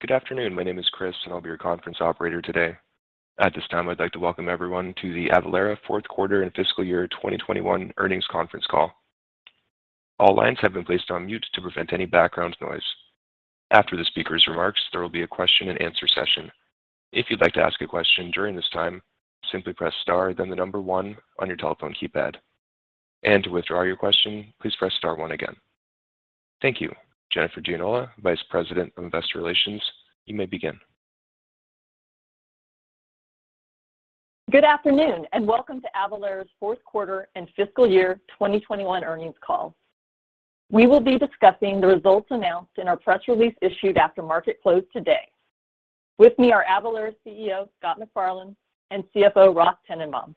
Good afternoon. My name is Chris, and I'll be your conference operator today. At this time, I'd like to welcome everyone to the Avalara Fourth Quarter and Fiscal Year 2021 Earnings Conference Call. All lines have been placed on mute to prevent any background noise. After the speakers' remarks, there will be a question and answer session. If you'd like to ask a question during this time, simply press star then 1 on your telephone keypad. To withdraw your question, please press star one again. Thank you. Jennifer Gianola, Vice President of Investor Relations, you may begin. Good afternoon, and welcome to Avalara's fourth quarter and fiscal year 2021 earnings call. We will be discussing the results announced in our press release issued after market close today. With me are Avalara's CEO, Scott McFarlane, and Chief Financial Officer, Ross Tennenbaum.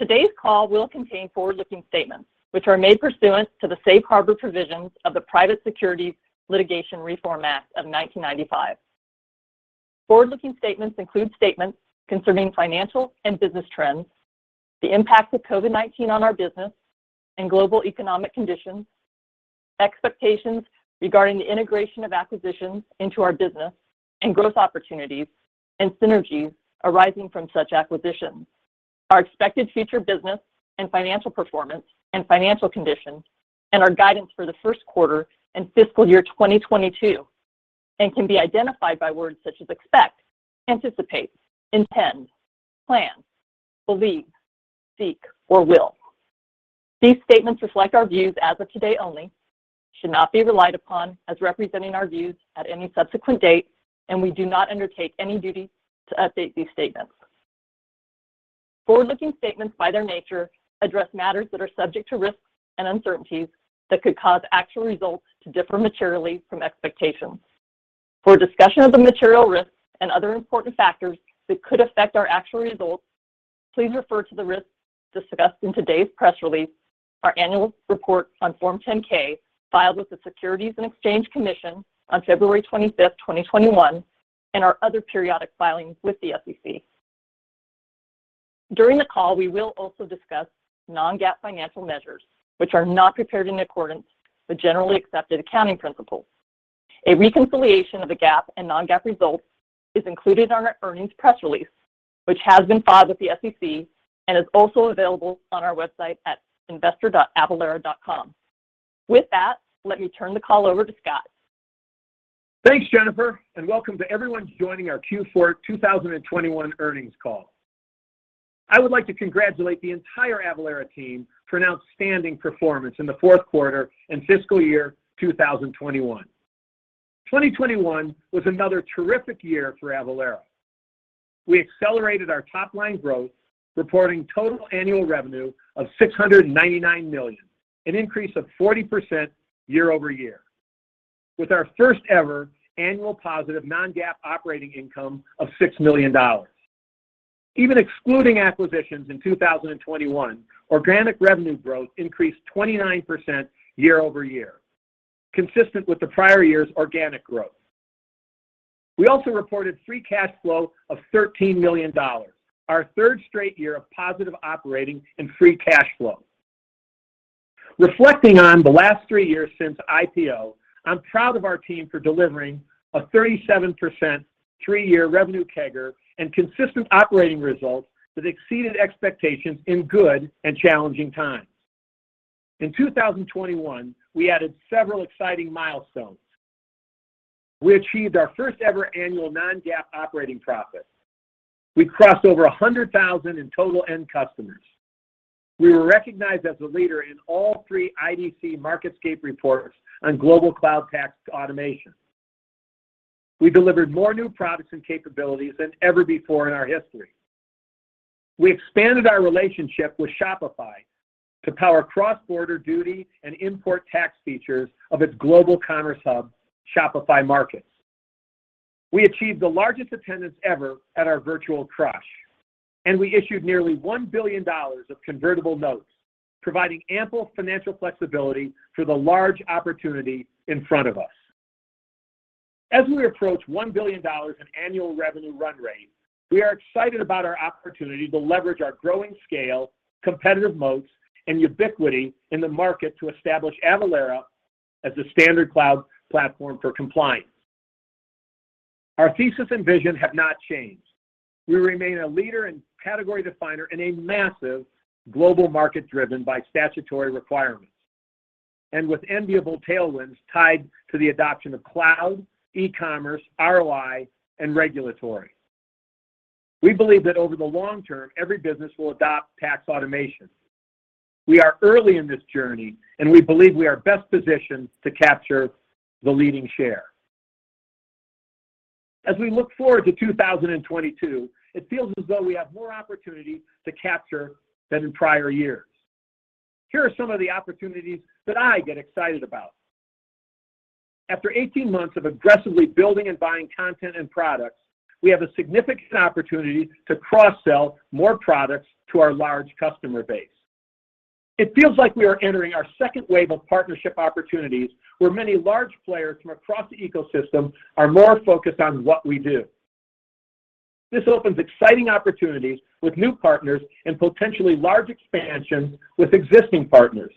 Today's call will contain forward-looking statements, which are made pursuant to the Safe Harbor provisions of the Private Securities Litigation Reform Act of 1995. Forward-looking statements include statements concerning financial and business trends, the impact of COVID-19 on our business and global economic conditions, expectations regarding the integration of acquisitions into our business and growth opportunities and synergies arising from such acquisitions, our expected future business and financial performance and financial conditions, and our guidance for the first quarter and fiscal year 2022, and can be identified by words such as expect, anticipate, intend, plan, believe, seek, or will. These statements reflect our views as of today only, should not be relied upon as representing our views at any subsequent date, and we do not undertake any duty to update these statements. Forward-looking statements, by their nature, address matters that are subject to risks and uncertainties that could cause actual results to differ materially from expectations. For a discussion of the material risks and other important factors that could affect our actual results, please refer to the risks discussed in today's press release, our annual report on Form 10-K filed with the Securities and Exchange Commission on February 25, 2021, and our other periodic filings with the SEC. During the call, we will also discuss Non-GAAP financial measures, which are not prepared in accordance with generally accepted accounting principles. A reconciliation of the GAAP and Non-GAAP results is included in our earnings press release, which has been filed with the SEC and is also available on our website at investor.avalara.com. With that, let me turn the call over to Scott. Thanks, Jennifer, and welcome to everyone joining our Q4 2021 earnings call. I would like to congratulate the entire Avalara team for an outstanding performance in the fourth quarter and fiscal year 2021. 2021 was another terrific year for Avalara. We accelerated our top-line growth, reporting total annual revenue of $699 million, an increase of 40% year-over-year, with our first ever annual positive Non-GAAP operating income of $6 million. Even excluding acquisitions in 2021, organic revenue growth increased 29% year-over-year, consistent with the prior year's organic growth. We also reported free cash flow of $13 million, our third straight year of positive operating and free cash flow. Reflecting on the last three years since IPO, I'm proud of our team for delivering a 37% three-year revenue CAGR and consistent operating results that exceeded expectations in good and challenging times. In 2021, we added several exciting milestones. We achieved our first ever annual Non-GAAP operating profit. We crossed over 100,000 in total end customers. We were recognized as a leader in all three IDC MarketScape reports on global cloud tax automation. We delivered more new products and capabilities than ever before in our history. We expanded our relationship with Shopify to power cross-border duty and import tax features of its global commerce hub, Shopify Markets. We achieved the largest attendance ever at our virtual CRUSH, and we issued nearly $1 billion of convertible notes, providing ample financial flexibility for the large opportunity in front of us. As we approach $1 billion in annual revenue run rate, we are excited about our opportunity to leverage our growing scale, competitive moats, and ubiquity in the market to establish Avalara as the standard cloud platform for compliance. Our thesis and vision have not changed. We remain a leader and category definer in a massive global market driven by statutory requirements and with enviable tailwinds tied to the adoption of cloud, e-commerce, ROI, and regulatory. We believe that over the long term, every business will adopt tax automation. We are early in this journey, and we believe we are best positioned to capture the leading share. As we look forward to 2022, it feels as though we have more opportunity to capture than in prior years. Here are some of the opportunities that I get excited about. After 18 months of aggressively building and buying content and products, we have a significant opportunity to cross-sell more products to our large customer base. It feels like we are entering our second wave of partnership opportunities, where many large players from across the ecosystem are more focused on what we do. This opens exciting opportunities with new partners and potentially large expansions with existing partners.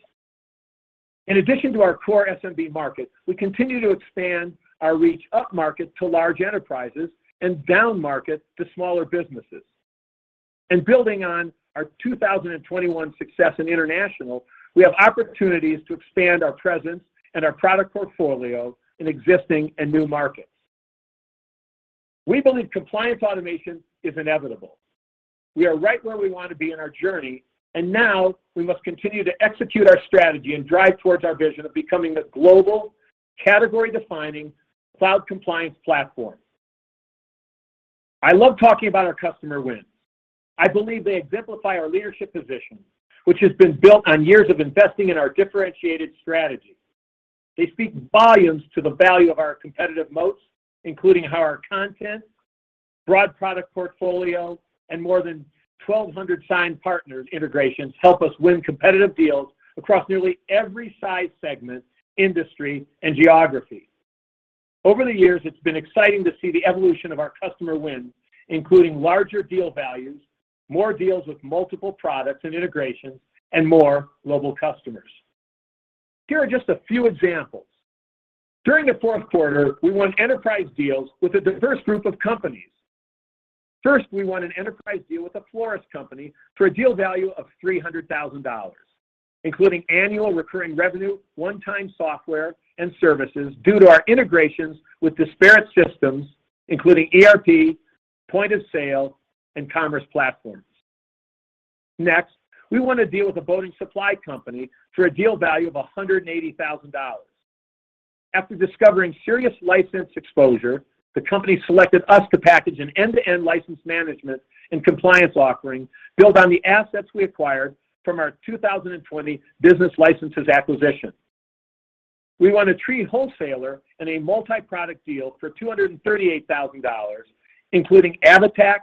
In addition to our core SMB market, we continue to expand our reach upmarket to large enterprises and downmarket to smaller businesses. Building on our 2021 success in international, we have opportunities to expand our presence and our product portfolio in existing and new markets. We believe compliance automation is inevitable. We are right where we want to be in our journey, and now we must continue to execute our strategy and drive towards our vision of becoming the global category-defining cloud compliance platform. I love talking about our customer wins. I believe they exemplify our leadership position, which has been built on years of investing in our differentiated strategy. They speak volumes to the value of our competitive moats, including how our content, broad product portfolio, and more than 1,200 signed partners integrations help us win competitive deals across nearly every size segment, industry, and geography. Over the years, it's been exciting to see the evolution of our customer wins, including larger deal values, more deals with multiple products and integrations, and more global customers. Here are just a few examples. During the fourth quarter, we won enterprise deals with a diverse group of companies. First, we won an enterprise deal with a florist company for a deal value of $300,000, including annual recurring revenue, one-time software, and services due to our integrations with disparate systems, including ERP, point-of-sale, and commerce platforms. Next, we won a deal with a boating supply company for a deal value of $180,000. After discovering serious license exposure, the company selected us to package an end-to-end license management and compliance offering built on the assets we acquired from our 2020 Business Licenses acquisition. We won a tree wholesaler in a multi-product deal for $238,000, including AvaTax,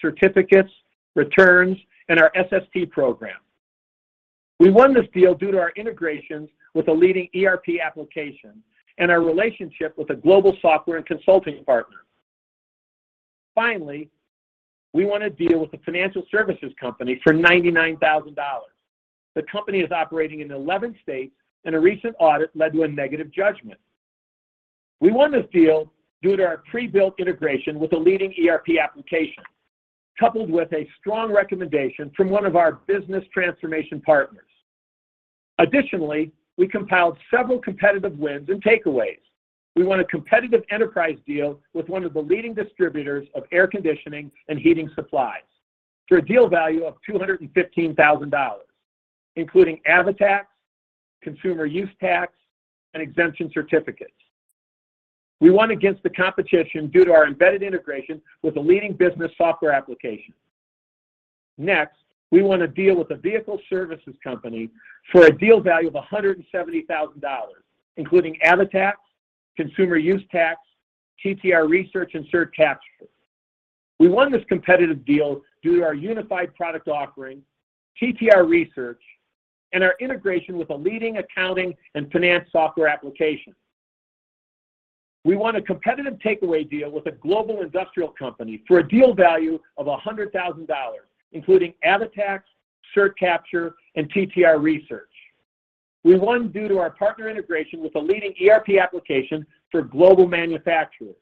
certificates, returns, and our SST program. We won this deal due to our integrations with a leading ERP application and our relationship with a global software and consulting partner. Finally, we won a deal with a financial services company for $99,000. The company is operating in 11 states, and a recent audit led to a negative judgment. We won this deal due to our pre-built integration with a leading ERP application, coupled with a strong recommendation from one of our business transformation partners. Additionally, we compiled several competitive wins and takeaways. We won a competitive enterprise deal with one of the leading distributors of air conditioning and heating supplies for a deal value of $215,000, including AvaTax, Consumer Use Tax, and exemption certificates. We won against the competition due to our embedded integration with a leading business software application. Next, we won a deal with a vehicle services company for a deal value of $170,000, including AvaTax, Consumer Use Tax, TTR Research, and CertCapture. We won this competitive deal due to our unified product offering, TTR Research, and our integration with a leading accounting and finance software application. We won a competitive takeaway deal with a global industrial company for a deal value of $100,000, including AvaTax, CertCapture, and TTR Research. We won due to our partner integration with a leading ERP application for global manufacturers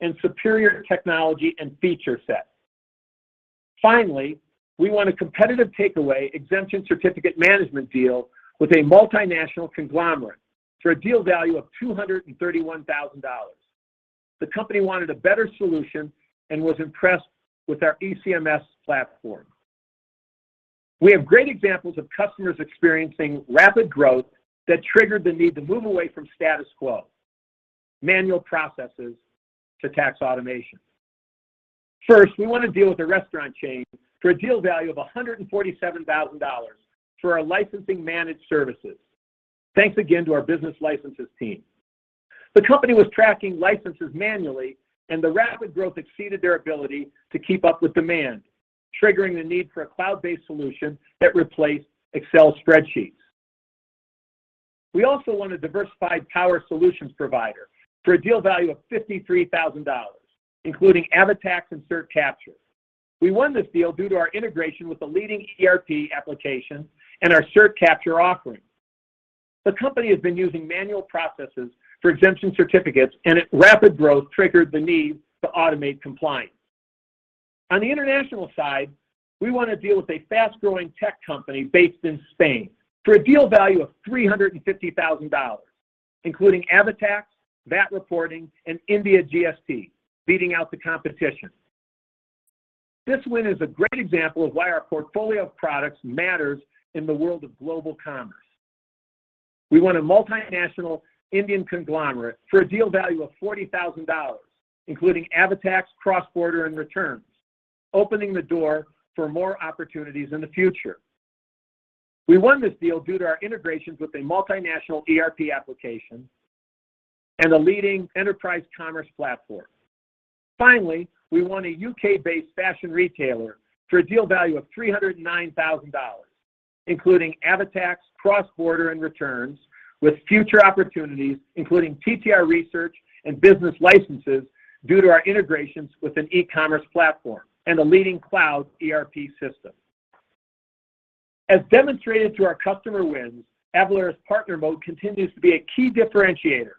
and superior technology and feature set. Finally, we won a competitive takeaway exemption certificate management deal with a multinational conglomerate for a deal value of $231,000. The company wanted a better solution and was impressed with our ECMS platform. We have great examples of customers experiencing rapid growth that triggered the need to move away from status quo, manual processes to tax automation. First, we won a deal with a restaurant chain for a deal value of $147,000 for our licensing managed services. Thanks again to our Business Licenses team. The company was tracking licenses manually, and the rapid growth exceeded their ability to keep up with demand, triggering the need for a cloud-based solution that replaced Excel spreadsheets. We also won a diversified power solutions provider for a deal value of $53,000, including AvaTax and CertCapture. We won this deal due to our integration with a leading ERP application and our CertCapture offering. The company has been using manual processes for exemption certificates, and its rapid growth triggered the need to automate compliance. On the international side, we won a deal with a fast-growing tech company based in Spain for a deal value of $350,000, including AvaTax, VAT reporting, and India GST, beating out the competition. This win is a great example of why our portfolio of products matters in the world of global commerce. We won a multinational Indian conglomerate for a deal value of $40,000, including AvaTax Cross-Border and returns, opening the door for more opportunities in the future. We won this deal due to our integrations with a multinational ERP application and a leading enterprise commerce platform. Finally, we won a U.K.-based fashion retailer for a deal value of $309,000, including AvaTax Cross-Border and returns with future opportunities, including TTR Research and Business Licenses due to our integrations with an e-commerce platform and a leading cloud ERP system. As demonstrated through our customer wins, Avalara's partner moat continues to be a key differentiator,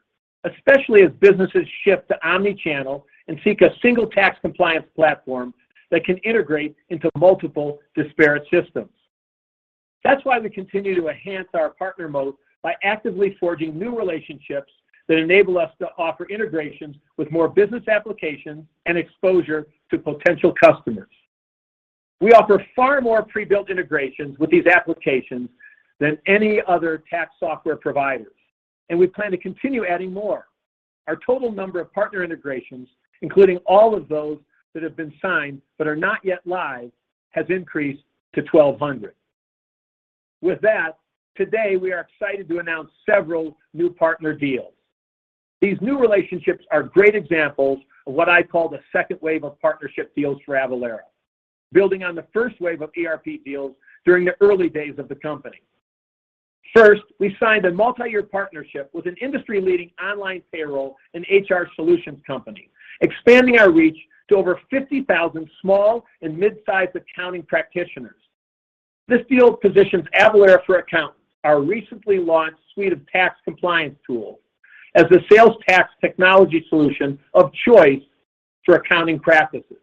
especially as businesses shift to omni-channel and seek a single tax compliance platform that can integrate into multiple disparate systems. That's why we continue to enhance our partner moat by actively forging new relationships that enable us to offer integrations with more business applications and exposure to potential customers. We offer far more pre-built integrations with these applications than any other tax software providers, and we plan to continue adding more. Our total number of partner integrations, including all of those that have been signed but are not yet live, has increased to 1,200. With that, today we are excited to announce several new partner deals. These new relationships are great examples of what I call the second wave of partnership deals for Avalara, building on the first wave of ERP deals during the early days of the company. First, we signed a multi-year partnership with an industry-leading online payroll and HR solutions company, expanding our reach to over 50,000 small and mid-sized accounting practitioners. This deal positions Avalara for Accountants, our recently launched suite of tax compliance tools, as the sales tax technology solution of choice for accounting practices.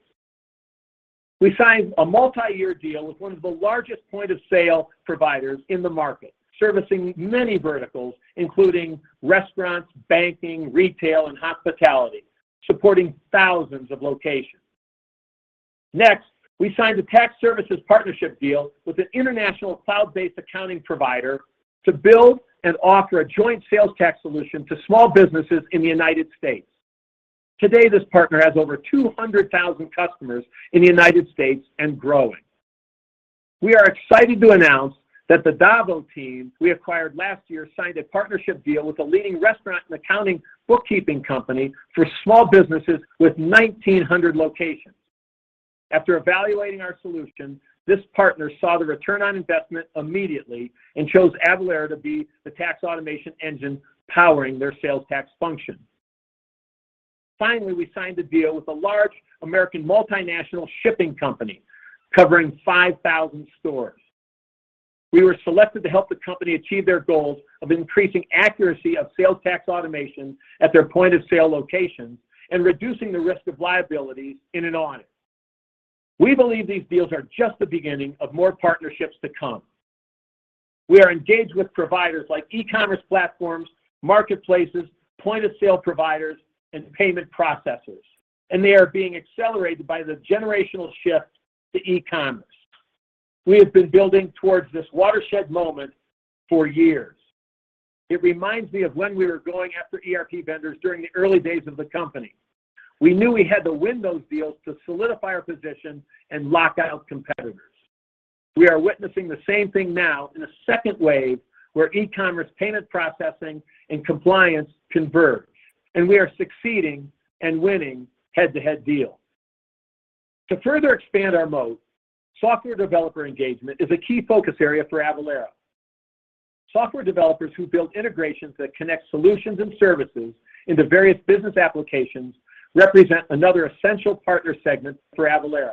We signed a multi-year deal with one of the largest point-of-sale providers in the market, servicing many verticals, including restaurants, banking, retail, and hospitality, supporting thousands of locations. Next, we signed a tax services partnership deal with an international cloud-based accounting provider to build and offer a joint sales tax solution to small businesses in the United States. Today, this partner has over 200,000 customers in the United States and growing. We are excited to announce that the DAVO team we acquired last year signed a partnership deal with a leading restaurant and accounting bookkeeping company for small businesses with 1,900 locations. After evaluating our solution, this partner saw the return on investment immediately and chose Avalara to be the tax automation engine powering their sales tax function. Finally, we signed a deal with a large American multinational shipping company covering 5,000 stores. We were selected to help the company achieve their goals of increasing accuracy of sales tax automation at their point-of-sale locations and reducing the risk of liability in an audit. We believe these deals are just the beginning of more partnerships to come. We are engaged with providers like e-commerce platforms, marketplaces, point-of-sale providers, and payment processors, and they are being accelerated by the generational shift to e-commerce. We have been building towards this watershed moment for years. It reminds me of when we were going after ERP vendors during the early days of the company. We knew we had to win those deals to solidify our position and lock out competitors. We are witnessing the same thing now in a second wave where e-commerce payment processing and compliance converge, and we are succeeding and winning head-to-head deals. To further expand our moat, software developer engagement is a key focus area for Avalara. Software developers who build integrations that connect solutions and services into various business applications represent another essential partner segment for Avalara.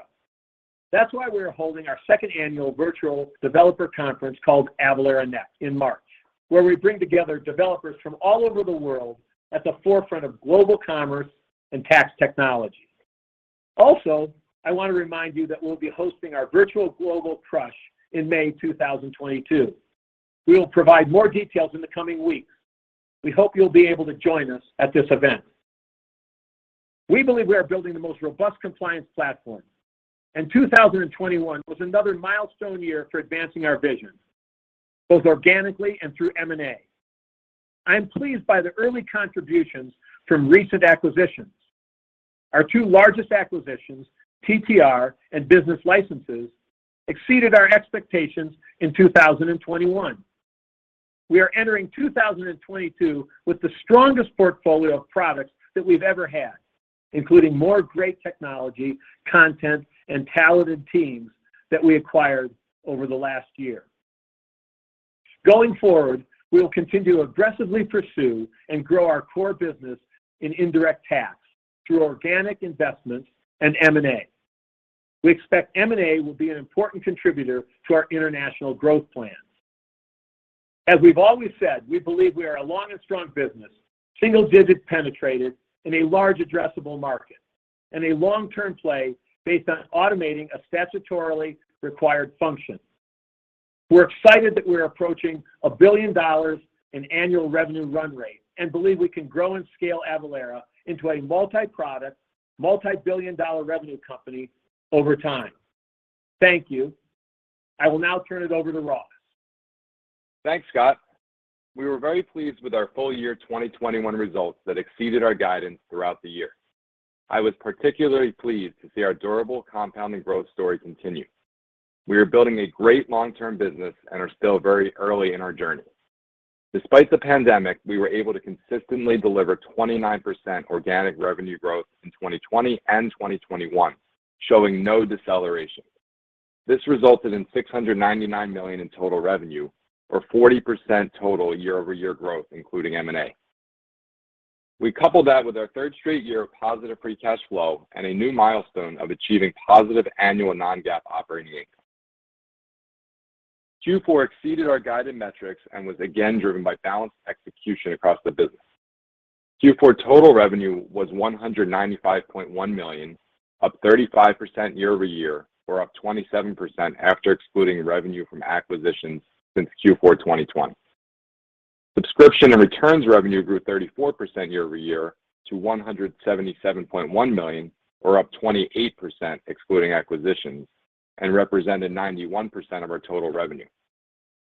That's why we're holding our second annual virtual developer conference called Avalara NEXT in March, where we bring together developers from all over the world at the forefront of global commerce and tax technology. Also, I want to remind you that we'll be hosting our virtual CRUSH Global in May 2022. We will provide more details in the coming weeks. We hope you'll be able to join us at this event. We believe we are building the most robust compliance platform, and 2021 was another milestone year for advancing our vision, both organically and through M&A. I am pleased by the early contributions from recent acquisitions. Our two largest acquisitions, TTR and Business Licenses, exceeded our expectations in 2021. We are entering 2022 with the strongest portfolio of products that we've ever had, including more great technology, content, and talented teams that we acquired over the last year. Going forward, we will continue to aggressively pursue and grow our core business in indirect tax through organic investments and M&A. We expect M&A will be an important contributor to our international growth plans. As we've always said, we believe we are a long and strong business, single-digit penetrated in a large addressable market and a long-term play based on automating a statutorily required function. We're excited that we're approaching $1 billion in annual revenue run rate and believe we can grow and scale Avalara into a multi-product, multi-billion dollar revenue company over time. Thank you. I will now turn it over to Ross. Thanks, Scott. We were very pleased with our full year 2021 results that exceeded our guidance throughout the year. I was particularly pleased to see our durable compounding growth story continue. We are building a great long-term business and are still very early in our journey. Despite the pandemic, we were able to consistently deliver 29% organic revenue growth in 2020 and 2021, showing no deceleration. This resulted in $699 million in total revenue, or 40% total year-over-year growth, including M&A. We coupled that with our third straight year of positive free cash flow and a new milestone of achieving positive annual Non-GAAP operating income. Q4 exceeded our guided metrics and was again driven by balanced execution across the business. Q4 total revenue was $195.1 million, up 35% year-over-year or up 27% after excluding revenue from acquisitions since Q4 2020. Subscription and returns revenue grew 34% year-over-year to $177.1 million or up 28% excluding acquisitions and represented 91% of our total revenue.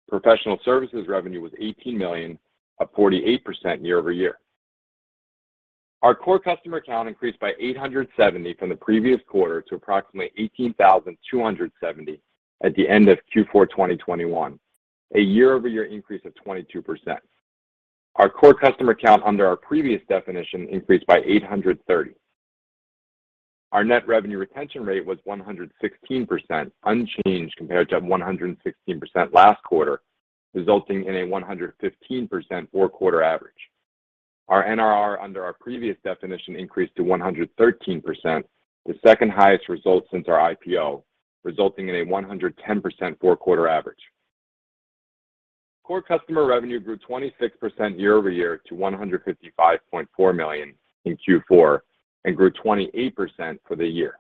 Professional services revenue was $18 million, up 48% year-over-year. Our core customer count increased by 870 from the previous quarter to approximately 18,270 at the end of Q4 2021, a year-over-year increase of 22%. Our core customer count under our previous definition increased by 830. Our net revenue retention rate was 116%, unchanged compared to 116% last quarter, resulting in a 115% four-quarter average. Our NRR under our previous definition increased to 113%, the second highest result since our IPO, resulting in a 110% four-quarter average. Core customer revenue grew 26% year-over-year to $155.4 million in Q4 and grew 28% for the year.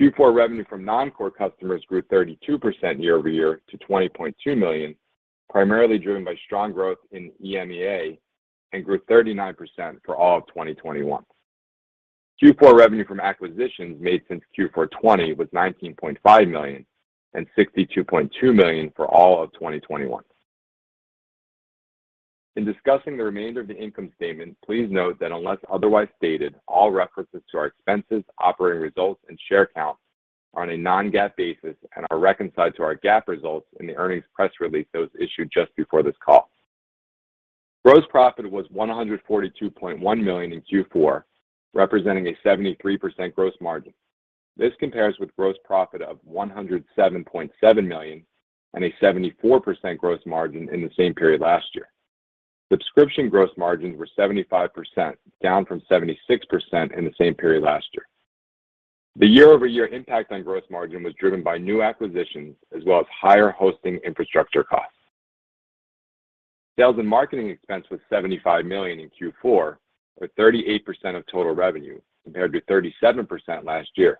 Q4 revenue from non-core customers grew 32% year-over-year to $20.2 million, primarily driven by strong growth in EMEA, and grew 39% for all of 2021. Q4 revenue from acquisitions made since Q4 2020 was $19.5 million and $62.2 million for all of 2021. In discussing the remainder of the income statement, please note that unless otherwise stated, all references to our expenses, operating results, and share counts are on a Non-GAAP basis and are reconciled to our GAAP results in the earnings press release that was issued just before this call. Gross profit was $142.1 million in Q4, representing a 73% gross margin. This compares with gross profit of $107.7 million and a 74% gross margin in the same period last year. Subscription gross margins were 75%, down from 76% in the same period last year. The year-over-year impact on gross margin was driven by new acquisitions as well as higher hosting infrastructure costs. Sales and marketing expense was $75 million in Q4, or 38% of total revenue, compared to 37% last year.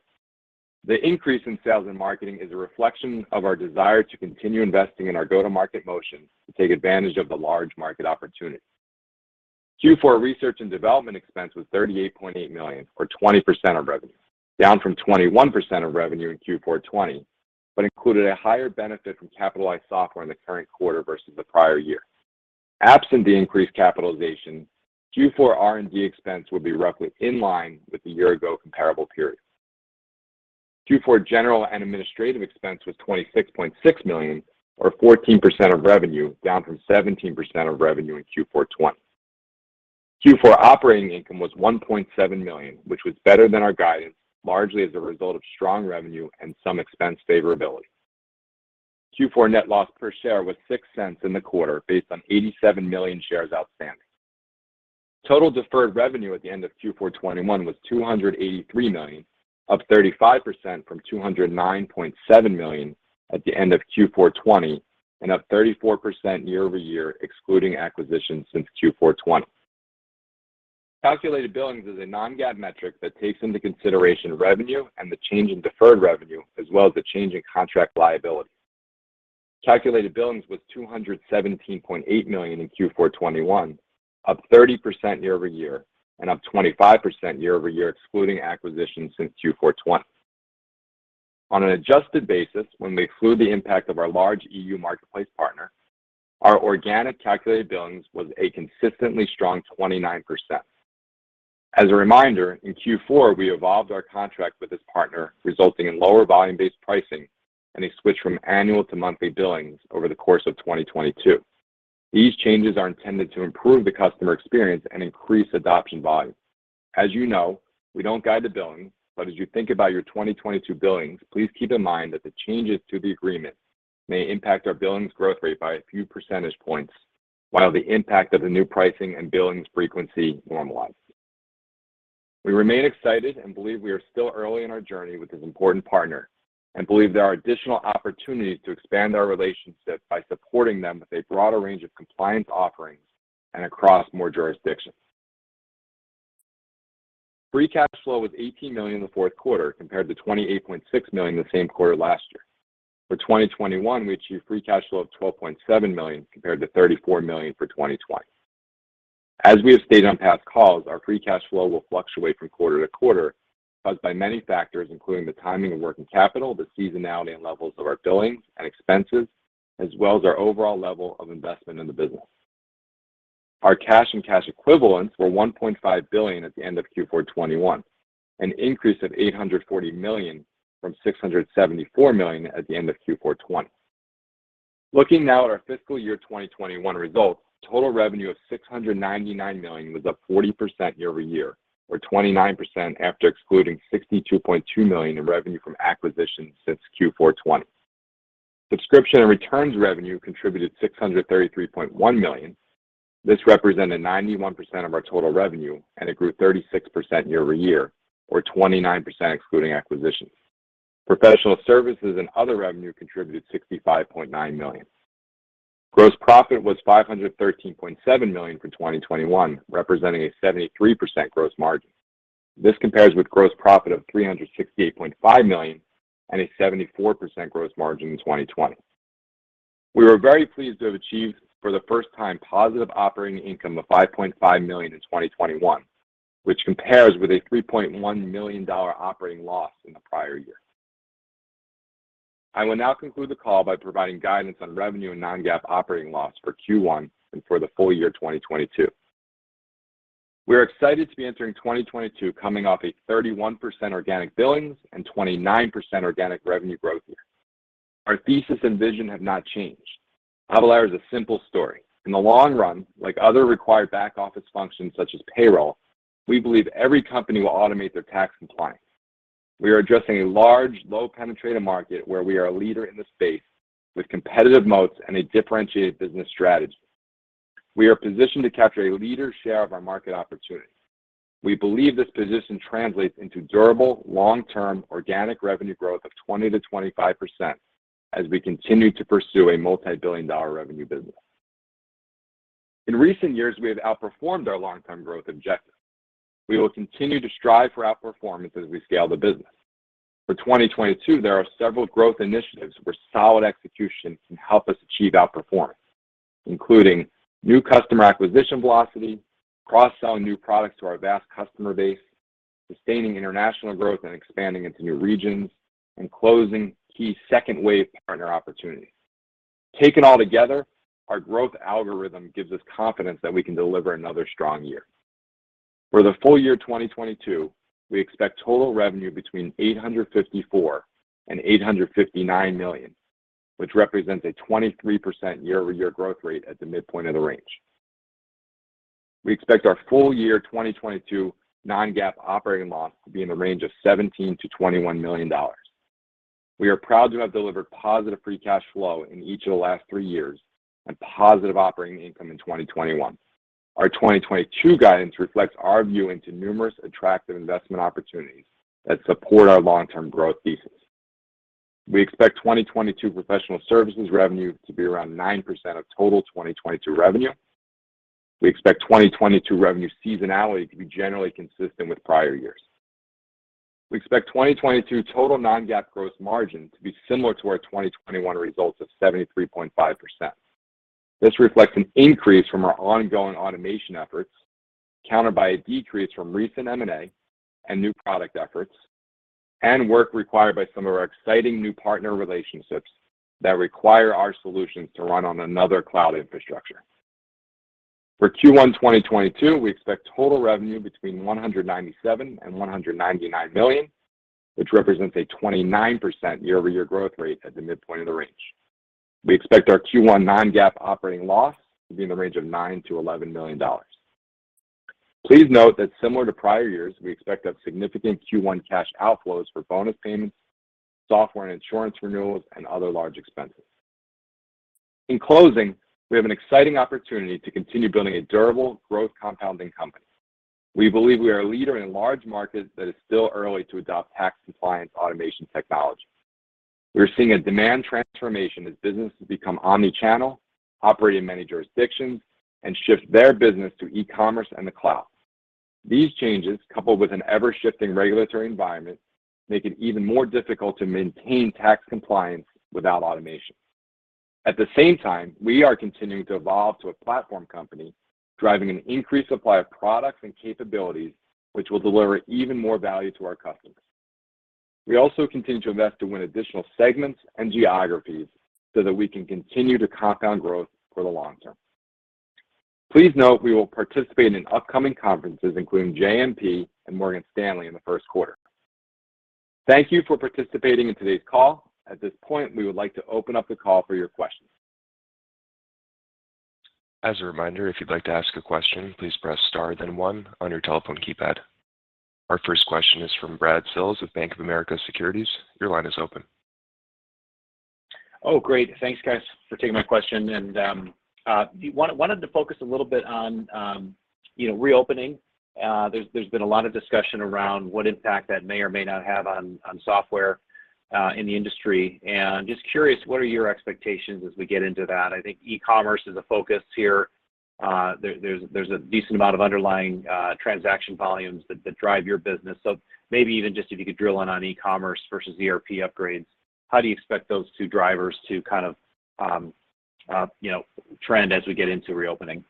The increase in sales and marketing is a reflection of our desire to continue investing in our go-to-market motions to take advantage of the large market opportunity. Q4 research and development expense was $38.8 million, or 20% of revenue, down from 21% of revenue in Q4 2020, but included a higher benefit from capitalized software in the current quarter versus the prior year. Absent the increased capitalization, Q4 R&D expense would be roughly in line with the year-ago comparable period. Q4 general and administrative expense was $26.6 million, or 14% of revenue, down from 17% of revenue in Q4 2020. Q4 operating income was $1.7 million, which was better than our guidance, largely as a result of strong revenue and some expense favorability. Q4 net loss per share was $0.06 in the quarter, based on 87 million shares outstanding. Total deferred revenue at the end of Q4 2021 was $283 million, up 35% from $209.7 million at the end of Q4 2020, and up 34% year-over-year, excluding acquisitions since Q4 2020. Calculated billings is a Non-GAAP metric that takes into consideration revenue and the change in deferred revenue, as well as the change in contract liability. Calculated billings was $217.8 million in Q4 2021, up 30% year-over-year, and up 25% year-over-year, excluding acquisitions since Q4 2020. On an adjusted basis, when we exclude the impact of our large EU marketplace partner, our organic calculated billings was a consistently strong 29%. As a reminder, in Q4, we evolved our contract with this partner, resulting in lower volume-based pricing and a switch from annual to monthly billings over the course of 2022. These changes are intended to improve the customer experience and increase adoption volumes. As you know, we don't guide to billings, but as you think about your 2022 billings, please keep in mind that the changes to the agreement may impact our billings growth rate by a few percentage points while the impact of the new pricing and billings frequency normalize. We remain excited and believe we are still early in our journey with this important partner and believe there are additional opportunities to expand our relationship by supporting them with a broader range of compliance offerings and across more jurisdictions. Free cash flow was $18 million in the fourth quarter compared to $28.6 million the same quarter last year. For 2021, we achieved free cash flow of $12.7 million compared to $34 million for 2020. As we have stated on past calls, our free cash flow will fluctuate from quarter to quarter, caused by many factors, including the timing of working capital, the seasonality and levels of our billings and expenses, as well as our overall level of investment in the business. Our cash and cash equivalents were $1.5 billion at the end of Q4 2021, an increase of $840 million from $674 million at the end of Q4 2020. Looking now at our fiscal year 2021 results, total revenue of $699 million was up 40% year-over-year, or 29% after excluding $62.2 million in revenue from acquisitions since Q4 2020. Subscription and returns revenue contributed $633.1 million. This represented 91% of our total revenue, and it grew 36% year-over-year or 29% excluding acquisitions. Professional services and other revenue contributed $65.9 million. Gross profit was $513.7 million for 2021, representing a 73% gross margin. This compares with gross profit of $368.5 million and a 74% gross margin in 2020. We were very pleased to have achieved for the first time positive operating income of $5.5 million in 2021, which compares with a $3.1 million operating loss in the prior year. I will now conclude the call by providing guidance on revenue and Non-GAAP operating loss for Q1 and for the full year 2022. We are excited to be entering 2022 coming off a 31% organic billings and 29% organic revenue growth year. Our thesis and vision have not changed. Avalara is a simple story. In the long run, like other required back-office functions such as payroll, we believe every company will automate their tax compliance. We are addressing a large, low-penetrated market where we are a leader in the space with competitive moats and a differentiated business strategy. We are positioned to capture a leader's share of our market opportunity. We believe this position translates into durable, long-term organic revenue growth of 20%-25% as we continue to pursue a multi-billion dollar revenue business. In recent years, we have outperformed our long-term growth objectives. We will continue to strive for outperformance as we scale the business. For 2022, there are several growth initiatives where solid execution can help us achieve outperformance, including new customer acquisition velocity, cross-selling new products to our vast customer base, sustaining international growth, and expanding into new regions, and closing key second wave partner opportunities. Taken all together, our growth algorithm gives us confidence that we can deliver another strong year. For the full year 2022, we expect total revenue between $854 million and $859 million, which represents a 23% year-over-year growth rate at the midpoint of the range. We expect our full year 2022 Non-GAAP operating loss to be in the range of $17 million-$21 million. We are proud to have delivered positive free cash flow in each of the last three years and positive operating income in 2021. Our 2022 guidance reflects our view into numerous attractive investment opportunities that support our long-term growth thesis. We expect 2022 professional services revenue to be around 9% of total 2022 revenue. We expect 2022 revenue seasonality to be generally consistent with prior years. We expect 2022 total Non-GAAP gross margin to be similar to our 2021 results of 73.5%. This reflects an increase from our ongoing automation efforts, countered by a decrease from recent M&A and new product efforts, and work required by some of our exciting new partner relationships that require our solutions to run on another cloud infrastructure. For Q1 2022, we expect total revenue between $197 million and $199 million, which represents a 29% year-over-year growth rate at the midpoint of the range. We expect our Q1 Non-GAAP operating loss to be in the range of $9 million-$11 million. Please note that similar to prior years, we expect to have significant Q1 cash outflows for bonus payments, software and insurance renewals, and other large expenses. In closing, we have an exciting opportunity to continue building a durable growth compounding company. We believe we are a leader in a large market that is still early to adopt tax compliance automation technology. We are seeing a demand transformation as businesses become omnichannel, operate in many jurisdictions, and shift their business to e-commerce and the cloud. These changes, coupled with an ever-shifting regulatory environment, make it even more difficult to maintain tax compliance without automation. At the same time, we are continuing to evolve to a platform company, driving an increased supply of products and capabilities which will deliver even more value to our customers. We also continue to invest to win additional segments and geographies so that we can continue to compound growth for the long term. Please note we will participate in upcoming conferences, including JMP and Morgan Stanley in the first quarter. Thank you for participating in today's call. At this point, we would like to open up the call for your questions. As a reminder, if you'd like to ask a question, please press star then one on your telephone keypad. Our first question is from Brad Sills of Bank of America Securities. Your line is open. Oh, great. Thanks, guys for taking my question. I wanted to focus a little bit on, you know, reopening. There's been a lot of discussion around what impact that may or may not have on software in the industry, and just curious, what are your expectations as we get into that? I think e-commerce is a focus here. There's a decent amount of underlying transaction volumes that drive your business. Maybe even just if you could drill in on e-commerce versus ERP upgrades, how do you expect those two drivers to kind of, you know, trend as we get into reopening?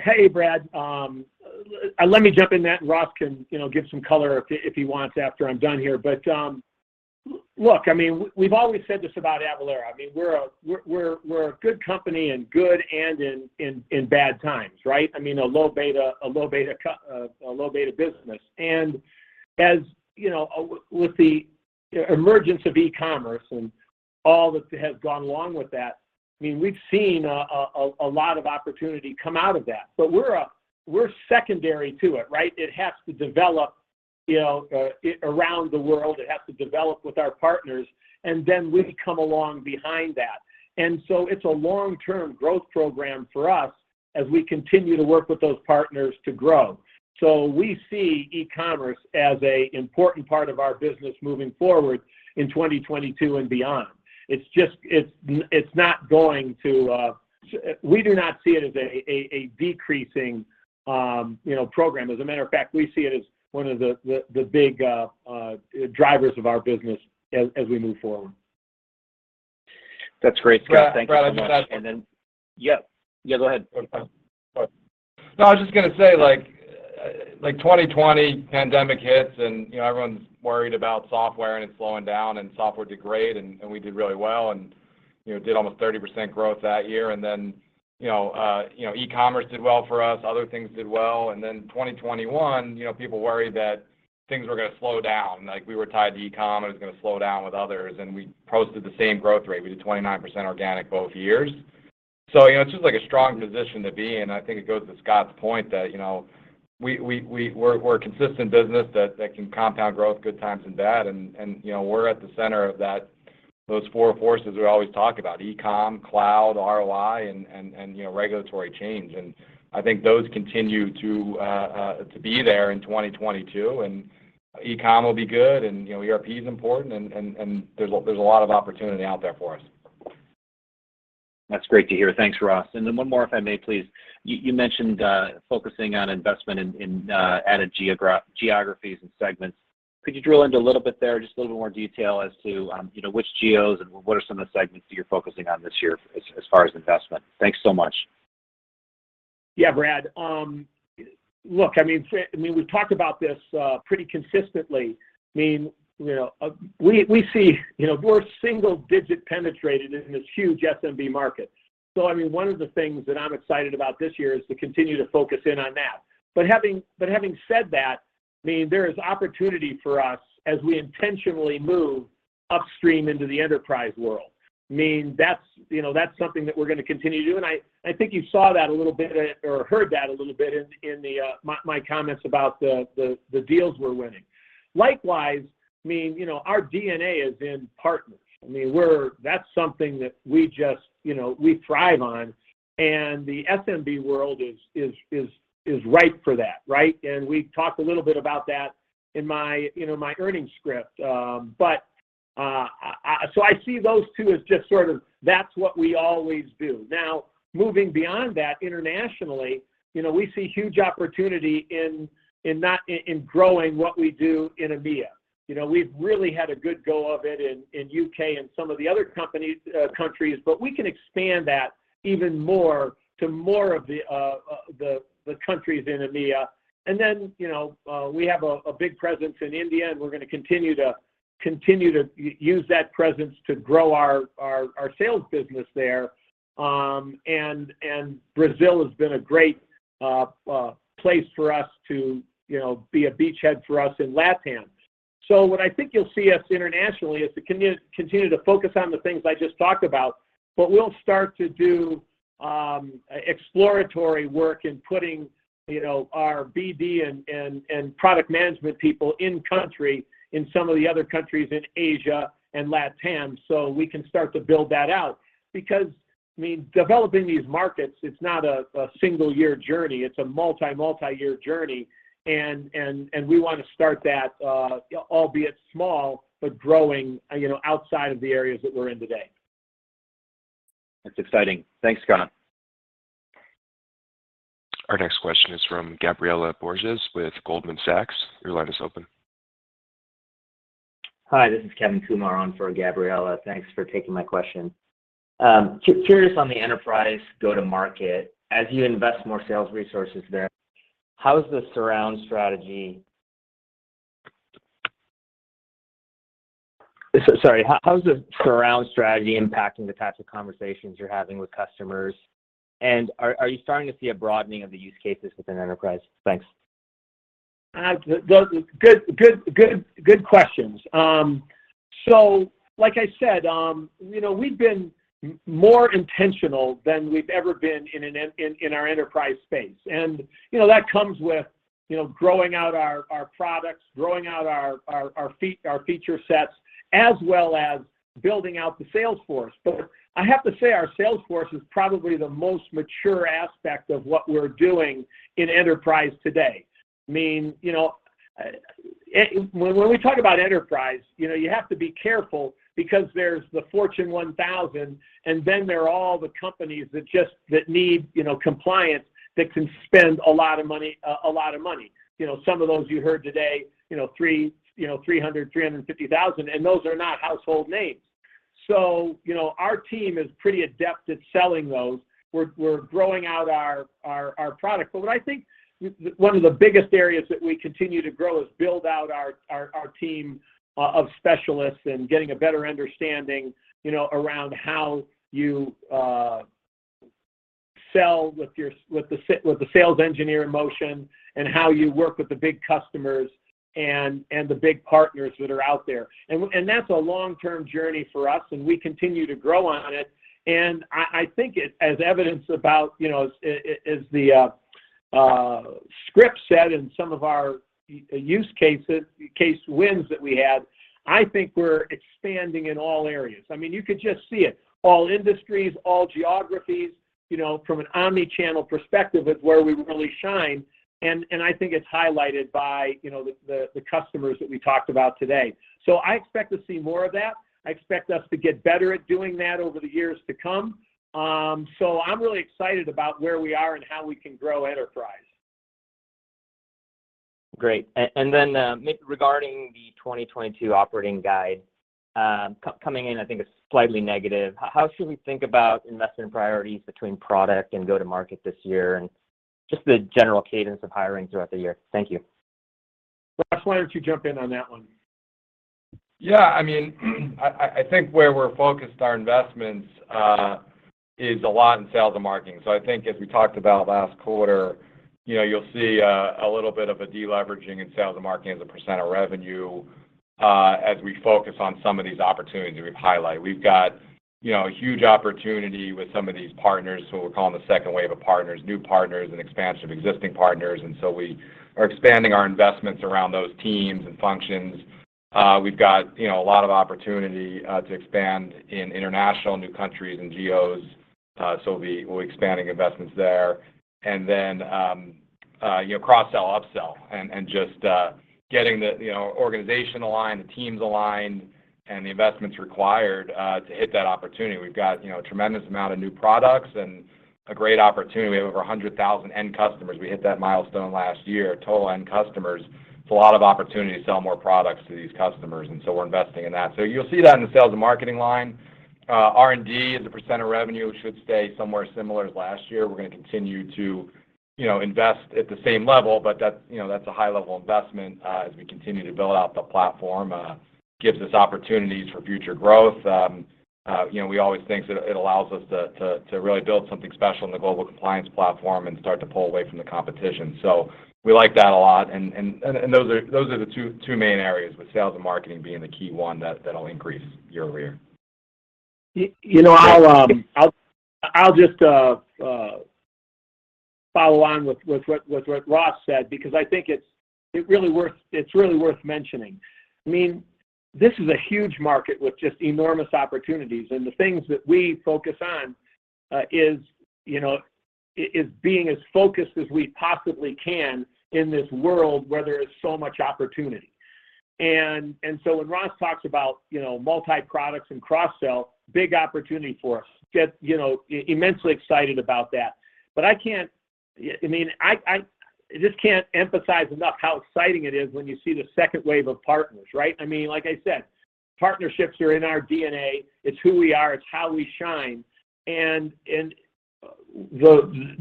Hey, Brad. Let me jump in on that and Ross can, you know, give some color if he wants after I'm done here. Look, I mean, we've always said this about Avalara. I mean, we're a good company in good and in bad times, right? I mean, a low beta business. As you know, with the emergence of e-commerce and all that has gone along with that, I mean, we've seen a lot of opportunity come out of that. We're secondary to it, right? It has to develop, you know, around the world, it has to develop with our partners, and then we come along behind that. It's a long-term growth program for us as we continue to work with those partners to grow. We see e-commerce as an important part of our business moving forward in 2022 and beyond. It's just we do not see it as a decreasing program, you know. As a matter of fact, we see it as one of the big drivers of our business as we move forward. That's great, Scott. Thank you very much. Brad, I just- Yeah. Yeah, go ahead. Sorry. No, I was just gonna say like 2020 pandemic hits, and, you know, everyone's worried about software and it's slowing down, and software did great, and we did really well and, you know, did almost 30% growth that year. Then, you know, you know, e-commerce did well for us, other things did well. Then 2021, you know, people worried that things were gonna slow down, like we were tied to e-com, it was gonna slow down with others, and we posted the same growth rate. We did 29% organic both years. You know, it's just like a strong position to be in. I think it goes to Scott's point that, you know, we're a consistent business that can compound growth good times and bad. You know, we're at the center of that, those four forces we always talk about, e-com, cloud, ROI, and regulatory change. I think those continue to be there in 2022, and e-com will be good, you know, ERP is important, and there's a lot of opportunity out there for us. That's great to hear. Thanks, Ross. Then one more, if I may, please. You mentioned focusing on investment in added geographies and segments. Could you drill into a little bit there, just a little bit more detail as to, you know, which geos and what are some of the segments that you're focusing on this year as far as investment? Thanks so much. Yeah, Brad. Look, I mean, we've talked about this pretty consistently. I mean, you know, we see, you know, we're single-digit penetrated in this huge SMB market. I mean, one of the things that I'm excited about this year is to continue to focus in on that. Having said that, I mean, there is opportunity for us as we intentionally move upstream into the enterprise world. I mean, that's, you know, that's something that we're gonna continue to do, and I think you saw that a little bit or heard that a little bit in my comments about the deals we're winning. Likewise, I mean, you know, our DNA is in partners. I mean, that's something that we just, you know, we thrive on. The SMB world is ripe for that, right? We talked a little bit about that in my, you know, my earnings script. I see those two as just sort of that's what we always do. Now, moving beyond that internationally, you know, we see huge opportunity in growing what we do in EMEA. You know, we've really had a good go of it in U.K. and some of the other countries, but we can expand that even more to more of the countries in EMEA. You know, we have a big presence in India, and we're gonna continue to use that presence to grow our sales business there. Brazil has been a great place for us to, you know, be a beachhead for us in LatAm. What I think you'll see us internationally is to continue to focus on the things I just talked about, but we'll start to do exploratory work in putting, you know, our BD and product management people in country in some of the other countries in Asia and LatAm so we can start to build that out. Because, I mean, developing these markets, it's not a single year journey, it's a multi-year journey. We wanna start that, albeit small, but growing, you know, outside of the areas that we're in today. That's exciting. Thanks, Scott. Our next question is from Gabriela Borges with Goldman Sachs. Your line is open. Hi, this is Kevin Kumar on for Gabriela. Thanks for taking my question. Curious on the enterprise go-to-market as you invest more sales resources there. Sorry. How's the surround strategy impacting the types of conversations you're having with customers? Are you starting to see a broadening of the use cases within enterprise? Thanks. Those good questions. Like I said, you know, we've been more intentional than we've ever been in our enterprise space. You know, that comes with, you know, growing out our products, growing out our feature sets, as well as building out the sales force. But I have to say our sales force is probably the most mature aspect of what we're doing in enterprise today. I mean, you know, when we talk about enterprise, you know, you have to be careful because there's the Fortune 1000, and then there are all the companies that need, you know, compliance that can spend a lot of money, a lot of money. Some of those you heard today, $300,000-$350,000, and those are not household names. Our team is pretty adept at selling those. We're growing out our product. But what I think one of the biggest areas that we continue to grow is build out our team of specialists and getting a better understanding, you know, around how you sell with the sales engineer in motion, and how you work with the big customers and the big partners that are out there. That's a long-term journey for us, and we continue to grow on it. I think it, as evidenced by, you know, as the script said in some of our use cases, case wins that we had. I think we're expanding in all areas. I mean, you could just see it, all industries, all geographies, you know, from an omni-channel perspective is where we really shine, and I think it's highlighted by, you know, the customers that we talked about today. I expect to see more of that. I expect us to get better at doing that over the years to come. I'm really excited about where we are and how we can grow enterprise. Great. Regarding the 2022 operating guide, coming in, I think it's slightly negative. How should we think about investment priorities between product and go-to-market this year, and just the general cadence of hiring throughout the year? Thank you. Ross, why don't you jump in on that one? I think where we're focusing our investments is a lot in sales and marketing. I think as we talked about last quarter, you know, you'll see a little bit of a deleveraging in sales and marketing as a percent of revenue as we focus on some of these opportunities that we've highlighted. We've got, you know, a huge opportunity with some of these partners who we're calling the second wave of partners, new partners, and expansion of existing partners. We are expanding our investments around those teams and functions. We've got, you know, a lot of opportunity to expand in international, new countries, and geos, so we're expanding investments there. You know, cross-sell, upsell, and just getting the you know, organization aligned, the teams aligned, and the investments required to hit that opportunity. We've got you know, a tremendous amount of new products and a great opportunity. We have over 100,000 end customers. We hit that milestone last year, total end customers. It's a lot of opportunity to sell more products to these customers, and so we're investing in that. You'll see that in the sales and marketing line. R&D as a % of revenue should stay somewhere similar to last year. We're going to continue to you know, invest at the same level, but that's you know, that's a high-level investment as we continue to build out the platform. Gives us opportunities for future growth. you know, we always think it allows us to really build something special in the global compliance platform and start to pull away from the competition. We like that a lot, and those are the two main areas with sales and marketing being the key one that'll increase year-over-year. You know, I'll just follow on with what Ross said because I think it's really worth mentioning. I mean, this is a huge market with just enormous opportunities, and the things that we focus on is being as focused as we possibly can in this world where there is so much opportunity. So when Ross talks about, you know, multi-products and cross-sell, big opportunity for us. I get immensely excited about that. But I mean, I just can't emphasize enough how exciting it is when you see the second wave of partners, right? I mean, like I said, partnerships are in our DNA. It's who we are. It's how we shine. The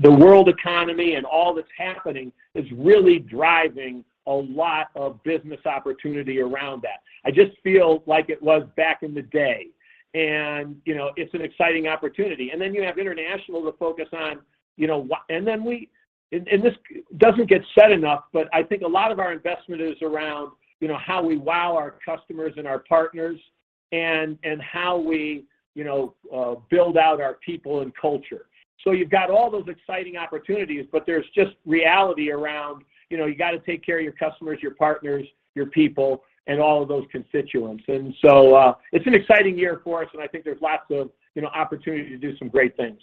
world economy and all that's happening is really driving a lot of business opportunity around that. I just feel like it was back in the day, and you know, it's an exciting opportunity. Then you have international to focus on, you know. This doesn't get said enough, but I think a lot of our investment is around, you know, how we wow our customers and our partners and how we, you know, build out our people and culture. You've got all those exciting opportunities, but there's just reality around, you know, you got to take care of your customers, your partners, your people, and all of those constituents. It's an exciting year for us, and I think there's lots of, you know, opportunity to do some great things.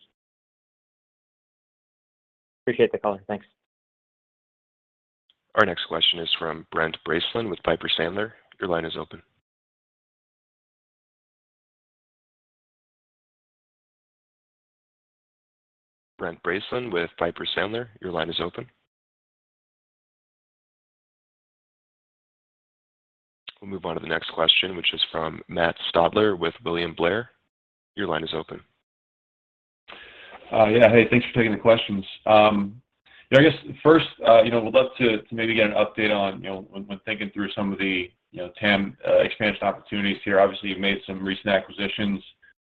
Appreciate the color. Thanks. Our next question is from Brent Bracelin with Piper Sandler. Your line is open. Brent Bracelin with Piper Sandler, your line is open. We'll move on to the next question, which is from Matt Stotler with William Blair. Your line is open. Yeah. Hey, thanks for taking the questions. You know, I guess first, you know, would love to maybe get an update on, you know, when thinking through some of the, you know, TAM expansion opportunities here. Obviously, you've made some recent acquisitions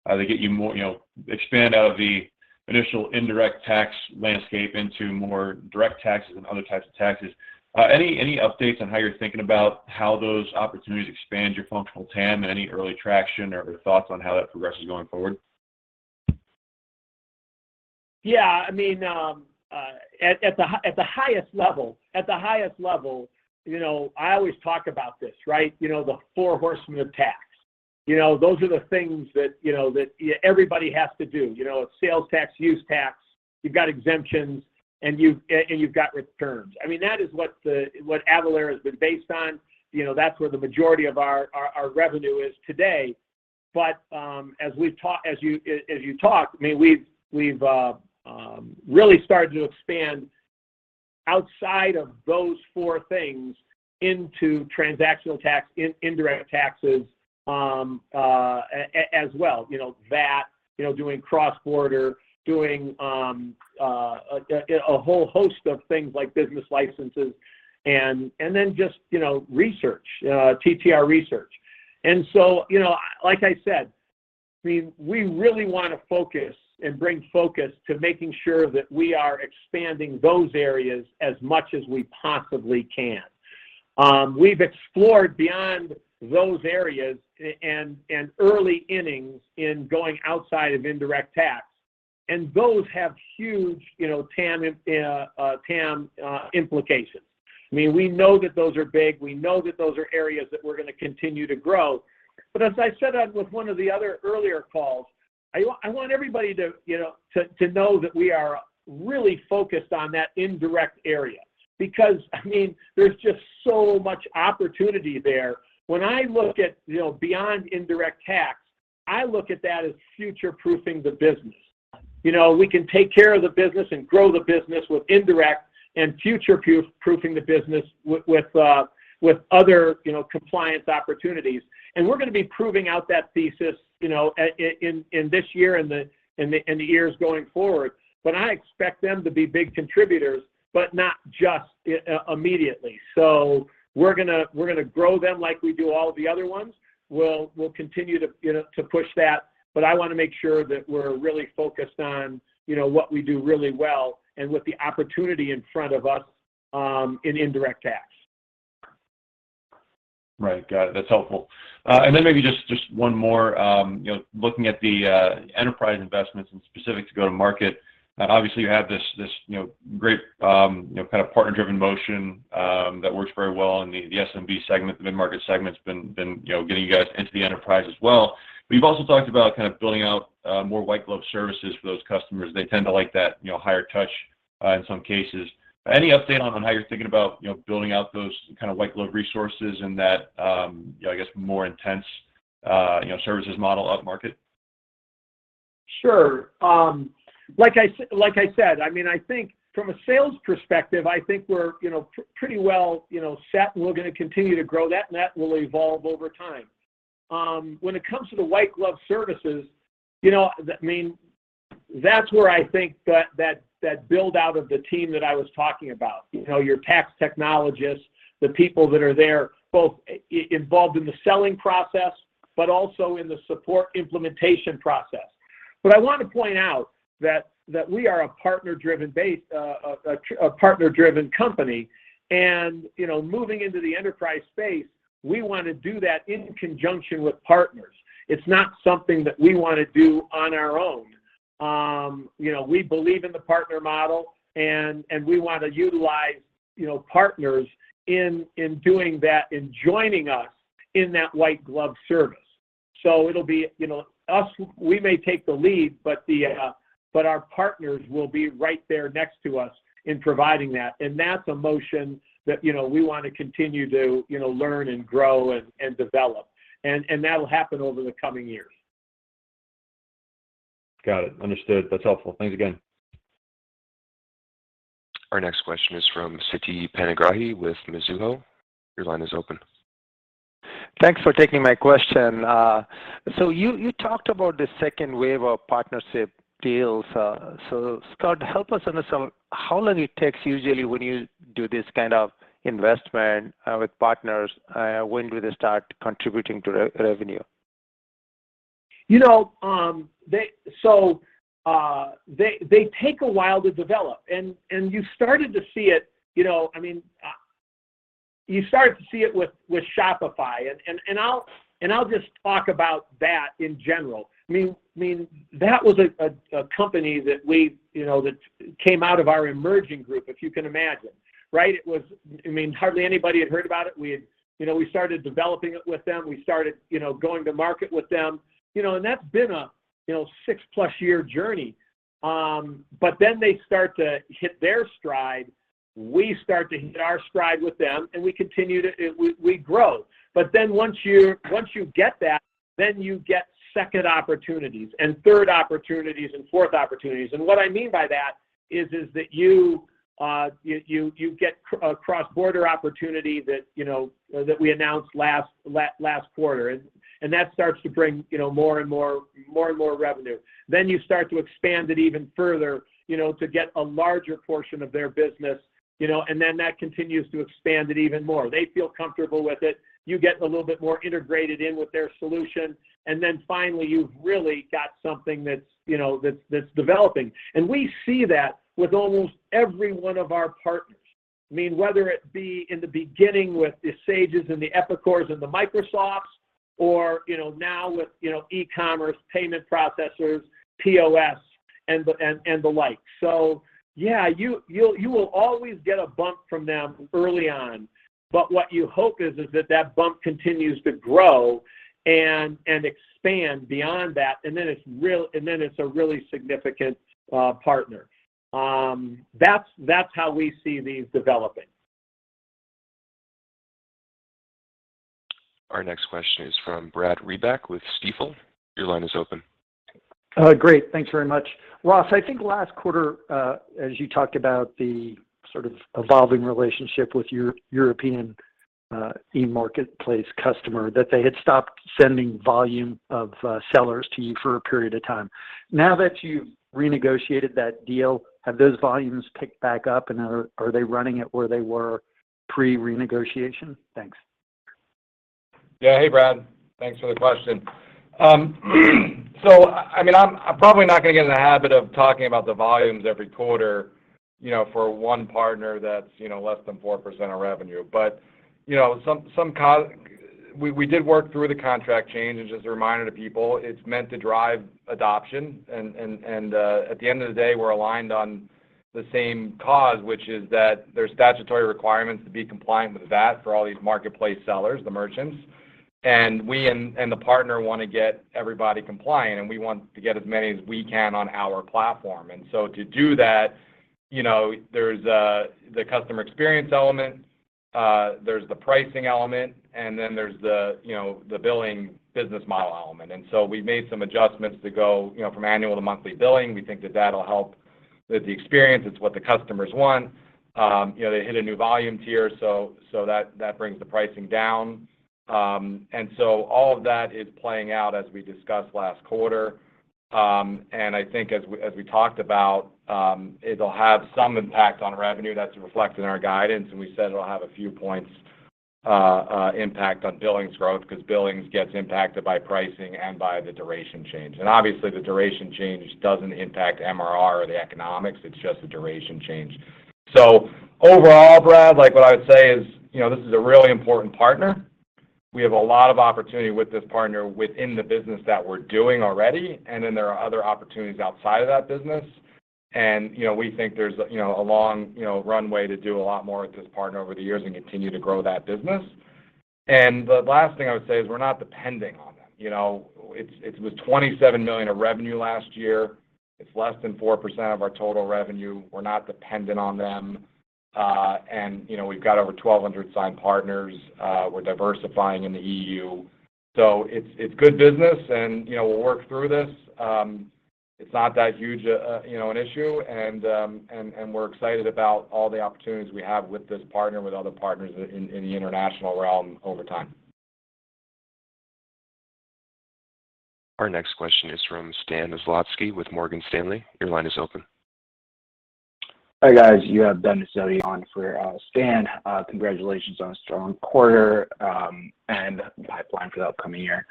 that get you more, you know, expand out of the initial indirect tax landscape into more direct taxes and other types of taxes. Any updates on how you're thinking about how those opportunities expand your functional TAM and any early traction or thoughts on how that progresses going forward? Yeah. I mean, at the highest level, you know, I always talk about this, right? You know, the four horsemen of tax. You know, those are the things that, you know, that everybody has to do. You know, it's sales tax, use tax, you've got exemptions, and you've got returns. I mean, that is what Avalara has been based on. You know, that's where the majority of our revenue is today. But as you talk, I mean, we've really started to expand outside of those four things into transactional tax, indirect taxes, as well, you know, that, you know, doing cross-border, doing a whole host of things like Business Licenses and then just, you know, research, TTR Research. you know, like I said, I mean, we really wanna focus and bring focus to making sure that we are expanding those areas as much as we possibly can. We've explored beyond those areas and early innings in going outside of indirect tax, and those have huge, you know, TAM implications. I mean, we know that those are big. We know that those are areas that we're gonna continue to grow. But as I said on one of the other earlier calls, I want everybody to, you know, to know that we are really focused on that indirect area because, I mean, there's just so much opportunity there. When I look at, you know, beyond indirect tax, I look at that as future-proofing the business. You know, we can take care of the business and grow the business with indirect and future-proofing the business with other, you know, compliance opportunities. We're gonna be proving out that thesis, you know, in this year and the years going forward. But I expect them to be big contributors, but not just immediately. We're gonna grow them like we do all of the other ones. We'll continue to, you know, to push that. But I wanna make sure that we're really focused on, you know, what we do really well and with the opportunity in front of us in indirect tax. Right. Got it. That's helpful. Maybe just one more, you know, looking at the enterprise investments and specific to go-to-market, and obviously you have this, you know, great, you know, kind of partner-driven motion that works very well in the SMB segment. The mid-market segment's been, you know, getting you guys into the enterprise as well. You've also talked about kind of building out more white glove services for those customers. They tend to like that, you know, higher touch in some cases. Any update on how you're thinking about, you know, building out those kind of white glove resources and that, you know, I guess, more intense, you know, services model upmarket? Sure. Like I said, I mean, I think from a sales perspective, I think we're, you know, pretty well, you know, set, and we're gonna continue to grow that, and that will evolve over time. When it comes to the white glove services, you know, that's where I think that build-out of the team that I was talking about, you know, your tax technologists, the people that are there, both involved in the selling process but also in the support implementation process. I want to point out that we are a partner-driven company, and, you know, moving into the enterprise space, we wanna do that in conjunction with partners. It's not something that we wanna do on our own. You know, we believe in the partner model, and we wanna utilize, you know, partners in doing that, in joining us in that white glove service. So it'll be, you know, us. We may take the lead, but our partners will be right there next to us in providing that, and that's a motion that, you know, we wanna continue to, you know, learn and grow and develop. That'll happen over the coming years. Got it. Understood. That's helpful. Thanks again. Our next question is from Siti Panigrahi with Mizuho. Your line is open. Thanks for taking my question. You talked about the second wave of partnership deals. Scott, help us understand how long it takes usually when you do this kind of investment with partners, when do they start contributing to revenue? You know, they take a while to develop. You started to see it, you know, I mean, you started to see it with Shopify, and I'll just talk about that in general. I mean, that was a company that we, you know, that came out of our emerging group, if you can imagine, right? It was, I mean, hardly anybody had heard about it. We had, you know, we started developing it with them. We started, you know, going to market with them. You know, that's been a six-year+ journey. They start to hit their stride. We start to hit our stride with them, and we continue to grow. Once you get that, you get second opportunities and third opportunities and fourth opportunities. What I mean by that is that you get a cross-border opportunity that you know that we announced last quarter. That starts to bring you know more and more revenue. You start to expand it even further, you know, to get a larger portion of their business, you know, and that continues to expand it even more. They feel comfortable with it. You get a little bit more integrated in with their solution. Finally you've really got something that's you know that's developing. We see that with almost every one of our partners. I mean, whether it be in the beginning with the Sages and the Epicors and the Microsofts or, you know, now with, you know, e-commerce payment processors, POS and the like. Yeah, you will always get a bump from them early on, but what you hope is that that bump continues to grow and expand beyond that, and then it's a really significant partner. That's how we see these developing. Our next question is from Brad Reback with Stifel. Your line is open. Great. Thanks very much. Ross, I think last quarter, as you talked about the sort of evolving relationship with your European e-marketplace customer, that they had stopped sending volume of sellers to you for a period of time. Now that you've renegotiated that deal, have those volumes picked back up and are they running at where they were pre-renegotiation? Thanks. Yeah. Hey, Brad. Thanks for the question. I mean, I'm probably not gonna get in the habit of talking about the volumes every quarter, you know, for one partner that's, you know, less than 4% of revenue. You know, we did work through the contract change and just a reminder to people, it's meant to drive adoption and at the end of the day, we're aligned on the same cause, which is that there's statutory requirements to be compliant with that for all these marketplace sellers, the merchants. We and the partner wanna get everybody compliant, and we want to get as many as we can on our platform. To do that, you know, there's the customer experience element, there's the pricing element, and then there's the, you know, the billing business model element. We made some adjustments to go, you know, from annual to monthly billing. We think that that'll help with the experience. It's what the customers want. You know, they hit a new volume tier, so that brings the pricing down. All of that is playing out as we discussed last quarter. I think as we talked about, it'll have some impact on revenue that's reflected in our guidance, and we said it'll have a few points impact on billings growth because billings gets impacted by pricing and by the duration change. Obviously, the duration change doesn't impact MRR or the economics, it's just a duration change. Overall, Brad, like what I would say is, you know, this is a really important partner. We have a lot of opportunity with this partner within the business that we're doing already, and then there are other opportunities outside of that business. You know, we think there's, you know, a long, you know, runway to do a lot more with this partner over the years and continue to grow that business. The last thing I would say is we're not depending on them. You know, it's with $27 million of revenue last year. It's less than 4% of our total revenue. We're not dependent on them. You know, we've got over 1,200 signed partners. We're diversifying in the EU. It's good business, you know, we'll work through this. It's not that huge a you know an issue and we're excited about all the opportunities we have with this partner, with other partners in the international realm over time. Our next question is from Stan Zlotsky with Morgan Stanley. Your line is open. Hi, guys. You have Ben Ezzo on for Stan. Congratulations on a strong quarter and pipeline for the upcoming year.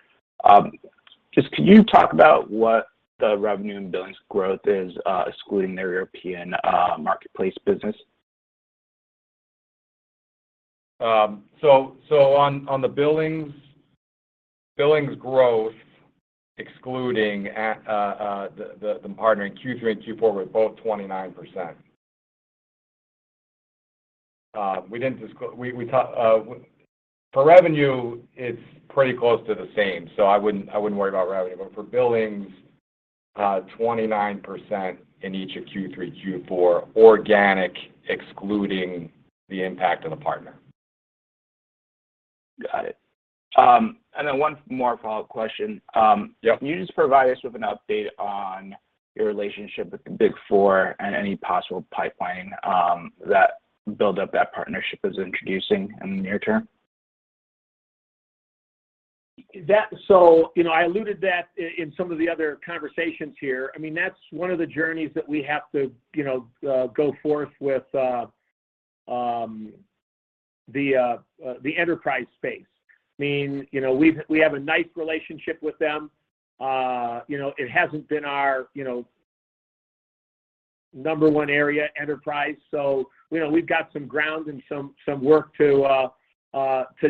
Just could you talk about what the revenue and billings growth is, excluding their European marketplace business? On the billings growth excluding the partner in Q3 and Q4 were both 29%. For revenue, it's pretty close to the same, so I wouldn't worry about revenue. For billings, 29% in each of Q3, Q4, organic excluding the impact of the partner. Got it. One more follow-up question. Yep. Can you just provide us with an update on your relationship with the Big Four and any possible pipeline that build up that partnership is introducing in the near term? You know, I alluded that in some of the other conversations here. I mean, that's one of the journeys that we have to, you know, go forth with the enterprise space. I mean, you know, we have a nice relationship with them. You know, it hasn't been our, you know, number one area enterprise, so, you know, we've got some ground and some work to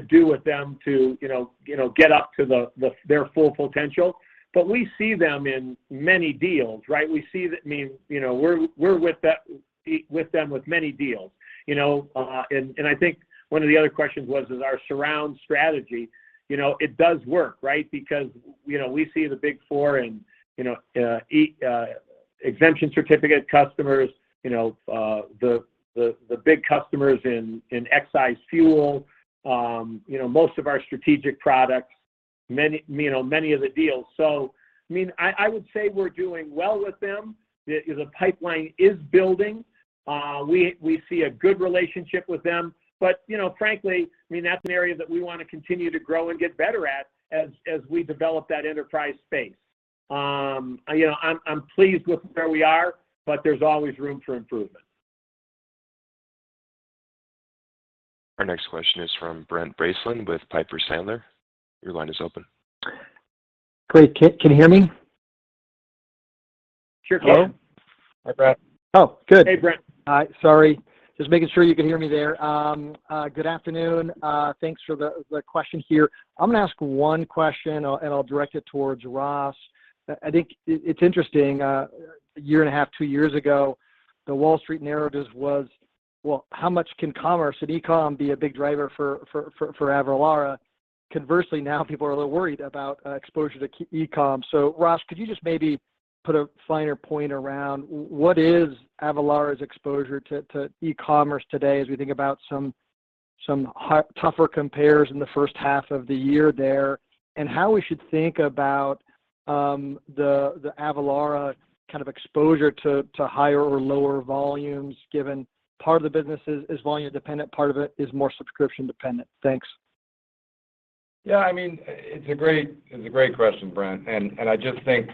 do with them to, you know, get up to their full potential. But we see them in many deals, right? We see that. I mean, you know, we're with them with many deals, you know, and I think one of the other questions was, is our surround strategy. You know, it does work, right? Because, you know, we see the Big Four and, you know, exemption certificate customers, you know, the big customers in excise fuel, most of our strategic products, many of the deals. I mean, I would say we're doing well with them. The pipeline is building. We see a good relationship with them. You know, frankly, I mean, that's an area that we wanna continue to grow and get better at as we develop that enterprise space. You know, I'm pleased with where we are, but there's always room for improvement. Our next question is from Brent Bracelin with Piper Sandler. Your line is open. Great. Can you hear me? Sure can. Hello? Hi, Brent. Oh, good. Hey, Brent. Sorry. Just making sure you can hear me there. Good afternoon. Thanks for the question here. I'm gonna ask one question and I'll direct it towards Ross. I think it's interesting, a year and a half, two years ago, the Wall Street narrative was, well, how much can commerce and e-com be a big driver for Avalara? Conversely, now people are a little worried about exposure to e-com. Ross, could you just maybe Put a finer point around what is Avalara's exposure to e-commerce today as we think about some tougher compares in the first half of the year there, and how we should think about the Avalara kind of exposure to higher or lower volumes given part of the business is volume dependent, part of it is more subscription dependent. Thanks. Yeah, I mean, it's a great question, Brent. I just think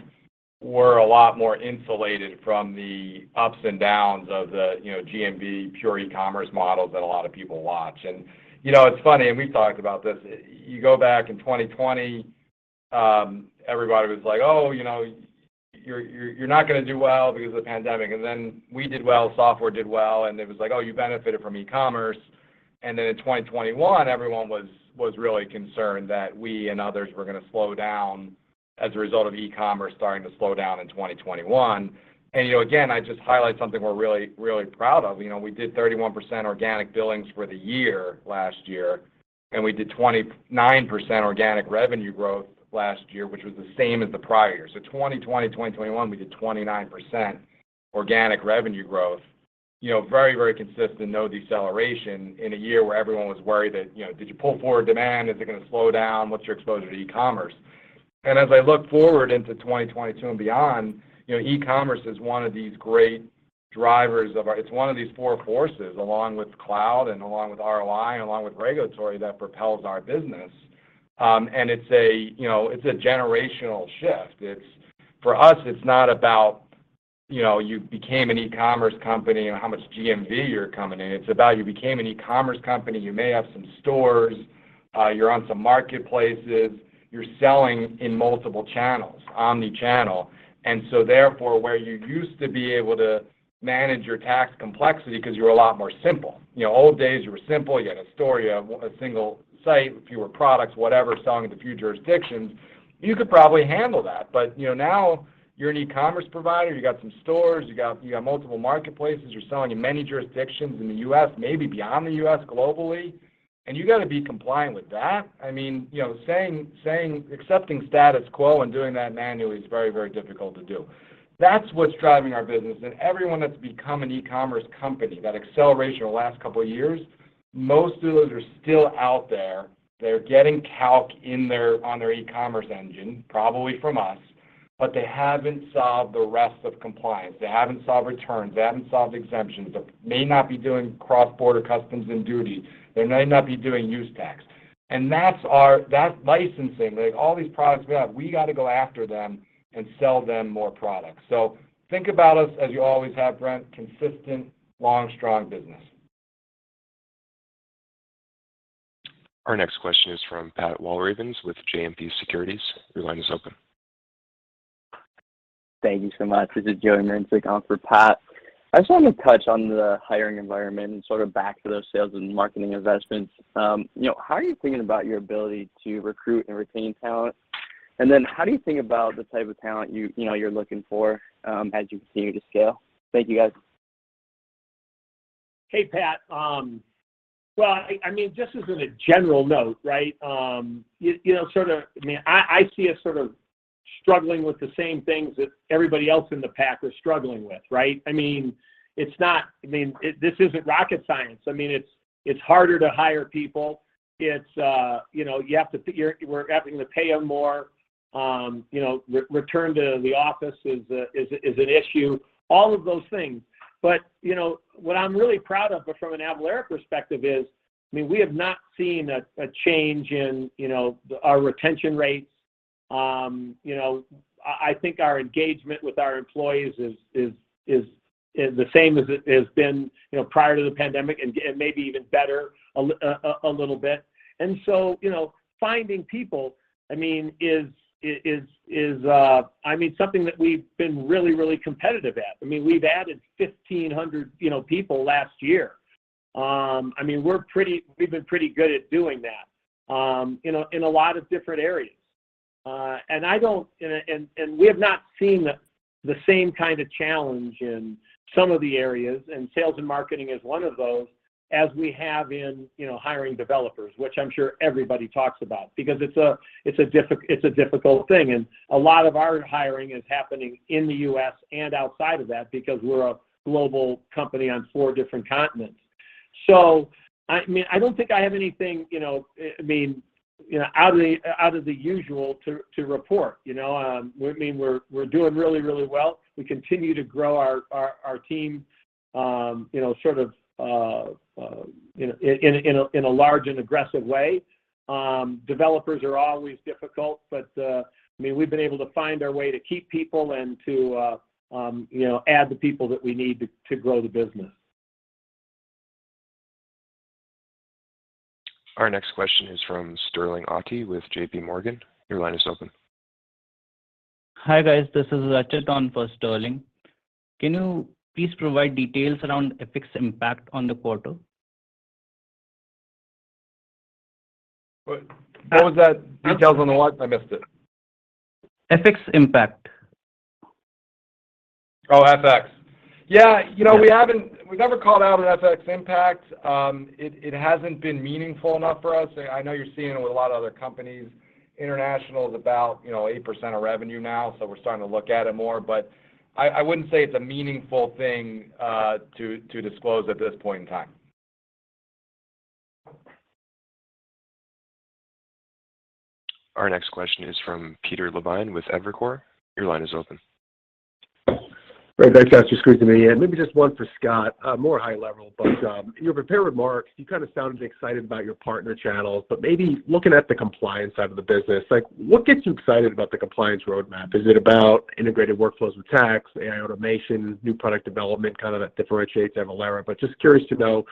we're a lot more insulated from the ups and downs of the, you know, GMV pure e-commerce models that a lot of people watch. You know, it's funny, we talked about this. You go back in 2020, everybody was like, "Oh, you know, you're not gonna do well because of the pandemic." Then we did well, software did well, and it was like, "Oh, you benefited from e-commerce." Then in 2021, everyone was really concerned that we and others were gonna slow down as a result of e-commerce starting to slow down in 2021. You know, again, I just highlight something we're really proud of. You know, we did 31% organic billings for the year last year, and we did 29% organic revenue growth last year, which was the same as the prior year. 2021, we did 29% organic revenue growth. You know, very, very consistent, no deceleration in a year where everyone was worried that, you know, did you pull forward demand? Is it gonna slow down? What's your exposure to e-commerce? As I look forward into 2022 and beyond, you know, e-commerce is one of these great drivers of our. It's one of these four forces, along with cloud and along with ROI and along with regulatory, that propels our business. It's a, you know, it's a generational shift. It's for us, it's not about, you know, you became an e-commerce company and how much GMV you're coming in. It's about you became an e-commerce company, you may have some stores, you're on some marketplaces, you're selling in multiple channels, omni-channel. Therefore, where you used to be able to manage your tax complexity because you were a lot more simple. You know, old days, you were simple. You had a store, you have a single site, a fewer products, whatever, selling to a few jurisdictions. You could probably handle that. You know, now you're an e-commerce provider, you got some stores, you got multiple marketplaces, you're selling in many jurisdictions in the U.S., maybe beyond the U.S. globally, and you gotta be compliant with that. I mean, you know, accepting status quo and doing that manually is very, very difficult to do. That's what's driving our business. Everyone that's become an e-commerce company, that acceleration the last couple of years, most of those are still out there. They're getting calc in their, on their e-commerce engine, probably from us, but they haven't solved the rest of compliance. They haven't solved returns, they haven't solved exemptions. They may not be doing cross-border customs and duty. They may not be doing use tax. That's our, that licensing, like all these products we have, we gotta go after them and sell them more products. Think about us as you always have, Brent, consistent, long, strong business. Our next question is from Pat Walravens with JMP Securities. Your line is open. Thank you so much. This is Joe Mincik on for Pat. I just wanted to touch on the hiring environment and sort of back to those sales and marketing investments. You know, how are you thinking about your ability to recruit and retain talent? How do you think about the type of talent you know, you're looking for, as you continue to scale? Thank you, guys. Hey, Pat. Well, I mean, just as a general note, right, you know, sort of. I mean, I see us sort of struggling with the same things that everybody else in the pack are struggling with, right? I mean, it's not. I mean, this isn't rocket science. I mean, it's harder to hire people. It's, you know, we're having to pay them more. You know, return to the office is an issue. All of those things. You know, what I'm really proud of from an Avalara perspective is, I mean, we have not seen a change in, you know, our retention rates. You know, I think our engagement with our employees is the same as it has been, you know, prior to the pandemic and maybe even better a little bit. You know, finding people, I mean, is, I mean, something that we've been really competitive at. I mean, we've added 1,500, you know, people last year. I mean, we've been pretty good at doing that in a lot of different areas. We have not seen the same kind of challenge in some of the areas, and sales and marketing is one of those, as we have in, you know, hiring developers, which I'm sure everybody talks about because it's a difficult thing. A lot of our hiring is happening in the U.S. and outside of that because we're a global company on four different continents. I don't think I have anything, you know, out of the usual to report. You know? We're doing really well. We continue to grow our team in a large and aggressive way. Developers are always difficult, but we've been able to find our way to keep people and to add the people that we need to grow the business. Our next question is from Sterling Auty with JPMorgan. Your line is open. Hi, guys. This is Archit on for Sterling. Can you please provide details around FX impact on the quarter? What, what was that? Details on the what? I missed it. FX impact. Oh, FX. Yeah. You know, we've never called out an FX impact. It hasn't been meaningful enough for us. I know you're seeing it with a lot of other companies. International is about, you know, 8% of revenue now, so we're starting to look at it more. I wouldn't say it's a meaningful thing to disclose at this point in time. Our next question is from Peter Levine with Evercore ISI. Your line is open. Great. Thanks, guys. It's great to be in. Maybe just one for Scott, more high level. In your prepared remarks, you kind of sounded excited about your partner channels, maybe looking at the compliance side of the business, like what gets you excited about the compliance roadmap? Is it about integrated workflows with tax, AI automation, new product development, kind of that differentiates Avalara? Just curious to know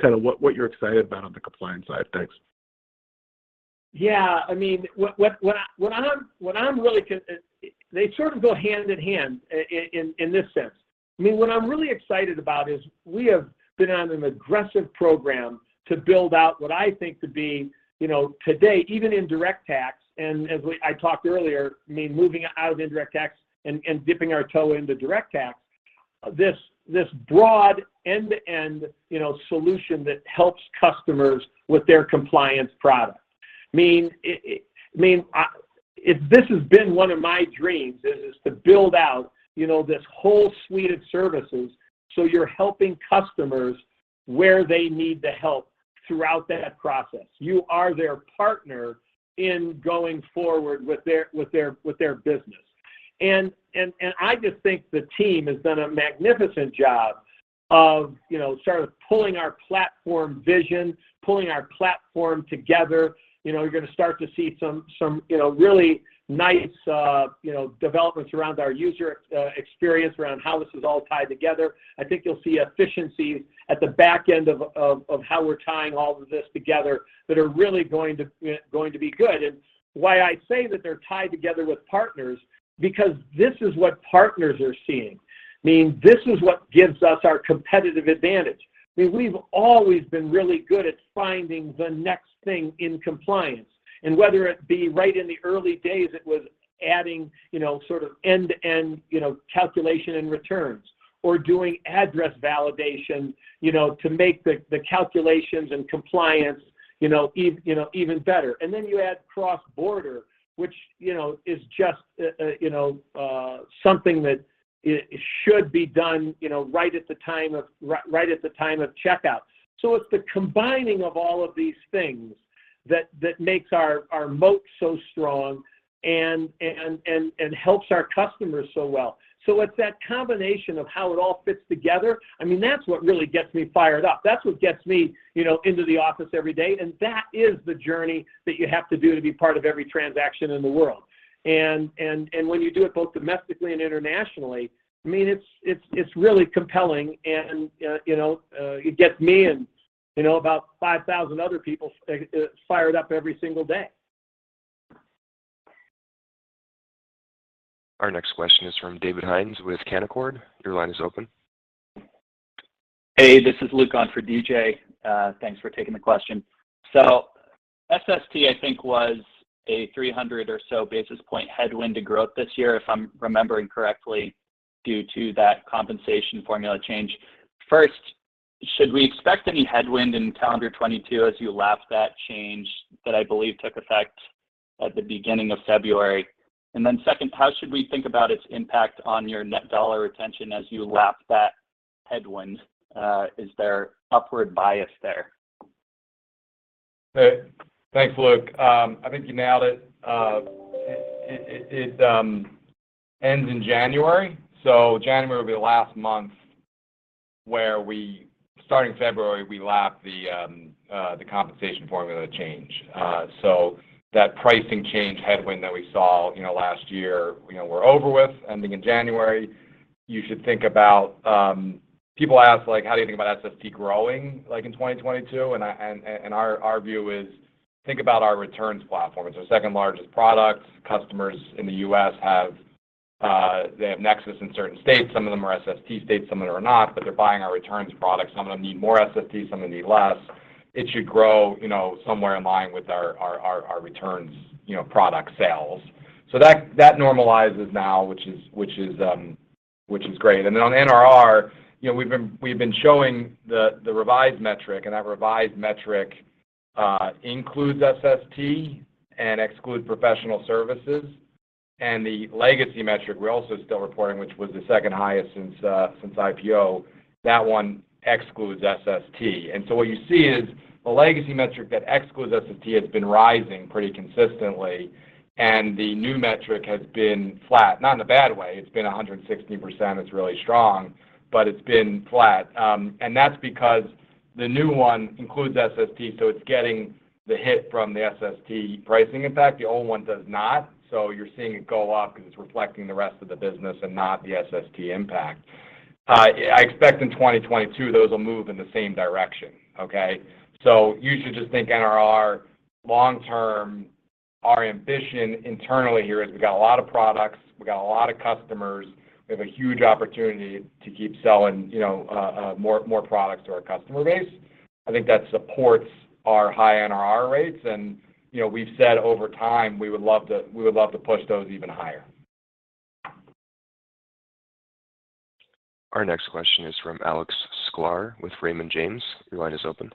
kind of what you're excited about on the compliance side. Thanks. They sort of go hand in hand in this sense. I mean, what I'm really excited about is we have been on an aggressive program to build out what I think to be, you know, today, even in direct tax. I talked earlier, I mean, moving out of indirect tax and dipping our toe into direct tax, this broad end-to-end, you know, solution that helps customers with their compliance products. I mean, this has been one of my dreams is to build out, you know, this whole suite of services, so you're helping customers where they need the help throughout that process. You are their partner in going forward with their business. I just think the team has done a magnificent job of sort of pulling our platform vision, pulling our platform together. You're gonna start to see some really nice developments around our user experience around how this is all tied together. I think you'll see efficiencies at the back end of how we're tying all of this together that are really going to be good. Why I say that they're tied together with partners, because this is what partners are seeing. I mean, this is what gives us our competitive advantage. I mean, we've always been really good at finding the next thing in compliance, and whether it be right in the early days, it was adding, you know, sort of end-to-end, you know, calculation and returns or doing address validation, you know, to make the calculations and compliance, you know, even better. You add cross-border, which, you know, is just something that should be done, you know, right at the time of checkout. It's the combining of all of these things that makes our moat so strong and helps our customers so well. It's that combination of how it all fits together. I mean, that's what really gets me fired up. That's what gets me, you know, into the office every day, and that is the journey that you have to do to be part of every transaction in the world. When you do it both domestically and internationally, I mean, it's really compelling and, you know, it gets me and, you know, about 5,000 other people fired up every single day. Our next question is from David Hynes with Canaccord. Your line is open. Hey, this is Luke on for DJ. Thanks for taking the question. SST, I think, was a 300 basis points or so basis point headwind to growth this year, if I'm remembering correctly, due to that compensation formula change. First, should we expect any headwind in calendar 2022 as you lap that change that I believe took effect at the beginning of February? Second, how should we think about its impact on your net dollar retention as you lap that headwind? Is there upward bias there? Thanks, Luke. I think you nailed it. It ends in January, so January will be the last month. Starting February, we lap the compensation formula change. That pricing change headwind that we saw, you know, last year, you know, we're over with ending in January. You should think about. People ask, like, "How do you think about SST growing, like, in 2022?" Our view is think about our returns platform. It's our second-largest product. Customers in the U.S. have, they have nexus in certain states. Some of them are SST states, some of them are not, but they're buying our returns products. Some of them need more SST, some of them need less. It should grow, you know, somewhere in line with our returns, you know, product sales. That normalizes now, which is great. Then on NRR, you know, we've been showing the revised metric, and that revised metric includes SST and excludes professional services. The legacy metric we're also still reporting, which was the second highest since IPO, that one excludes SST. What you see is the legacy metric that excludes SST has been rising pretty consistently, and the new metric has been flat. Not in a bad way. It's been 160%. It's really strong, but it's been flat. That's because the new one includes SST, so it's getting the hit from the SST pricing impact. The old one does not, so you're seeing it go up because it's reflecting the rest of the business and not the SST impact. I expect in 2022 those will move in the same direction, okay? You should just think NRR long term. Our ambition internally here is we got a lot of products, we got a lot of customers. We have a huge opportunity to keep selling, you know, more products to our customer base. I think that supports our high NRR rates and, you know, we've said over time, we would love to push those even higher. Our next question is from Alex Sklar with Raymond James. Your line is open.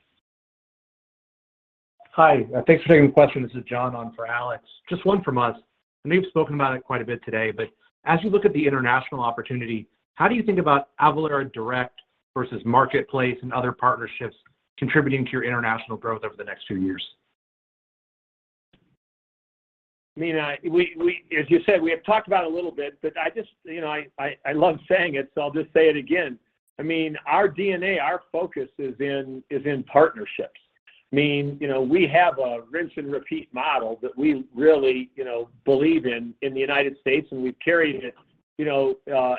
Hi. Thanks for taking the question. This is John on for Alex. Just one from us. I know you've spoken about it quite a bit today, but as you look at the international opportunity, how do you think about Avalara Direct versus Marketplace and other partnerships contributing to your international growth over the next few years? I mean, we, as you said, we have talked about it a little bit, but I just, you know, I love saying it, so I'll just say it again. I mean, our DNA, our focus is in partnerships. I mean, you know, we have a rinse and repeat model that we really, you know, believe in the United States, and we've carried it, you know,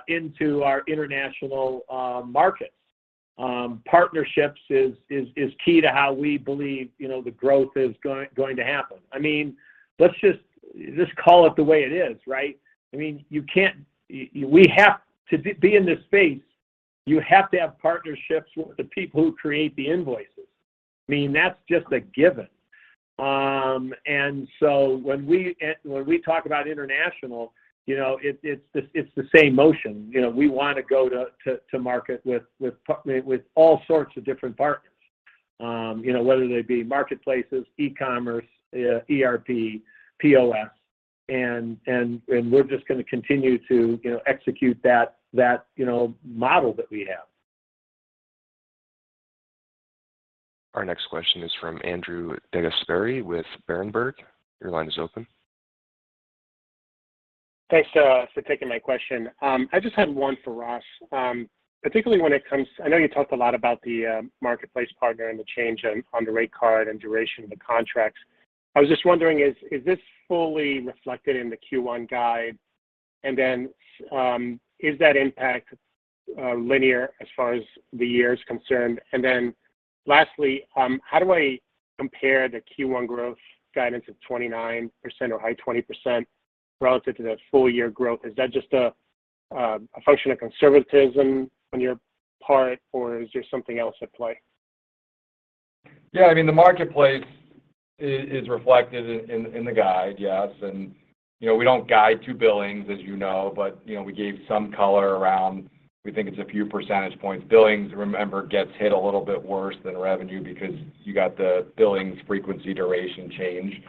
into our international markets. Partnerships is key to how we believe, you know, the growth is going to happen. I mean, let's just call it the way it is, right? I mean, you can't be in this space, you have to have partnerships with the people who create the invoices. I mean, that's just a given. When we talk about international, you know, it's the same motion. You know, we wanna go to market with all sorts of different partners, you know, whether they be marketplaces, e-commerce, ERP, POS. We're just gonna continue to, you know, execute that model that we have. Our next question is from Andrew DeGasperi with Berenberg. Your line is open. Thanks for taking my question. I just had one for Ross. I know you talked a lot about the marketplace partner and the change on the rate card and duration of the contracts. I was just wondering, is this fully reflected in the Q1 guide? And then, is that impact linear as far as the year is concerned? And then lastly, how do I compare the Q1 growth guidance of 29% or high 20% relative to the full year growth? Is that just a function of conservatism on your part, or is there something else at play? Yeah, I mean, the marketplace is reflected in the guide, yes. You know, we don't guide to billings, as you know, but you know, we gave some color around. We think it's a few percentage points. Billings, remember, gets hit a little bit worse than revenue because you got the billings frequency duration change.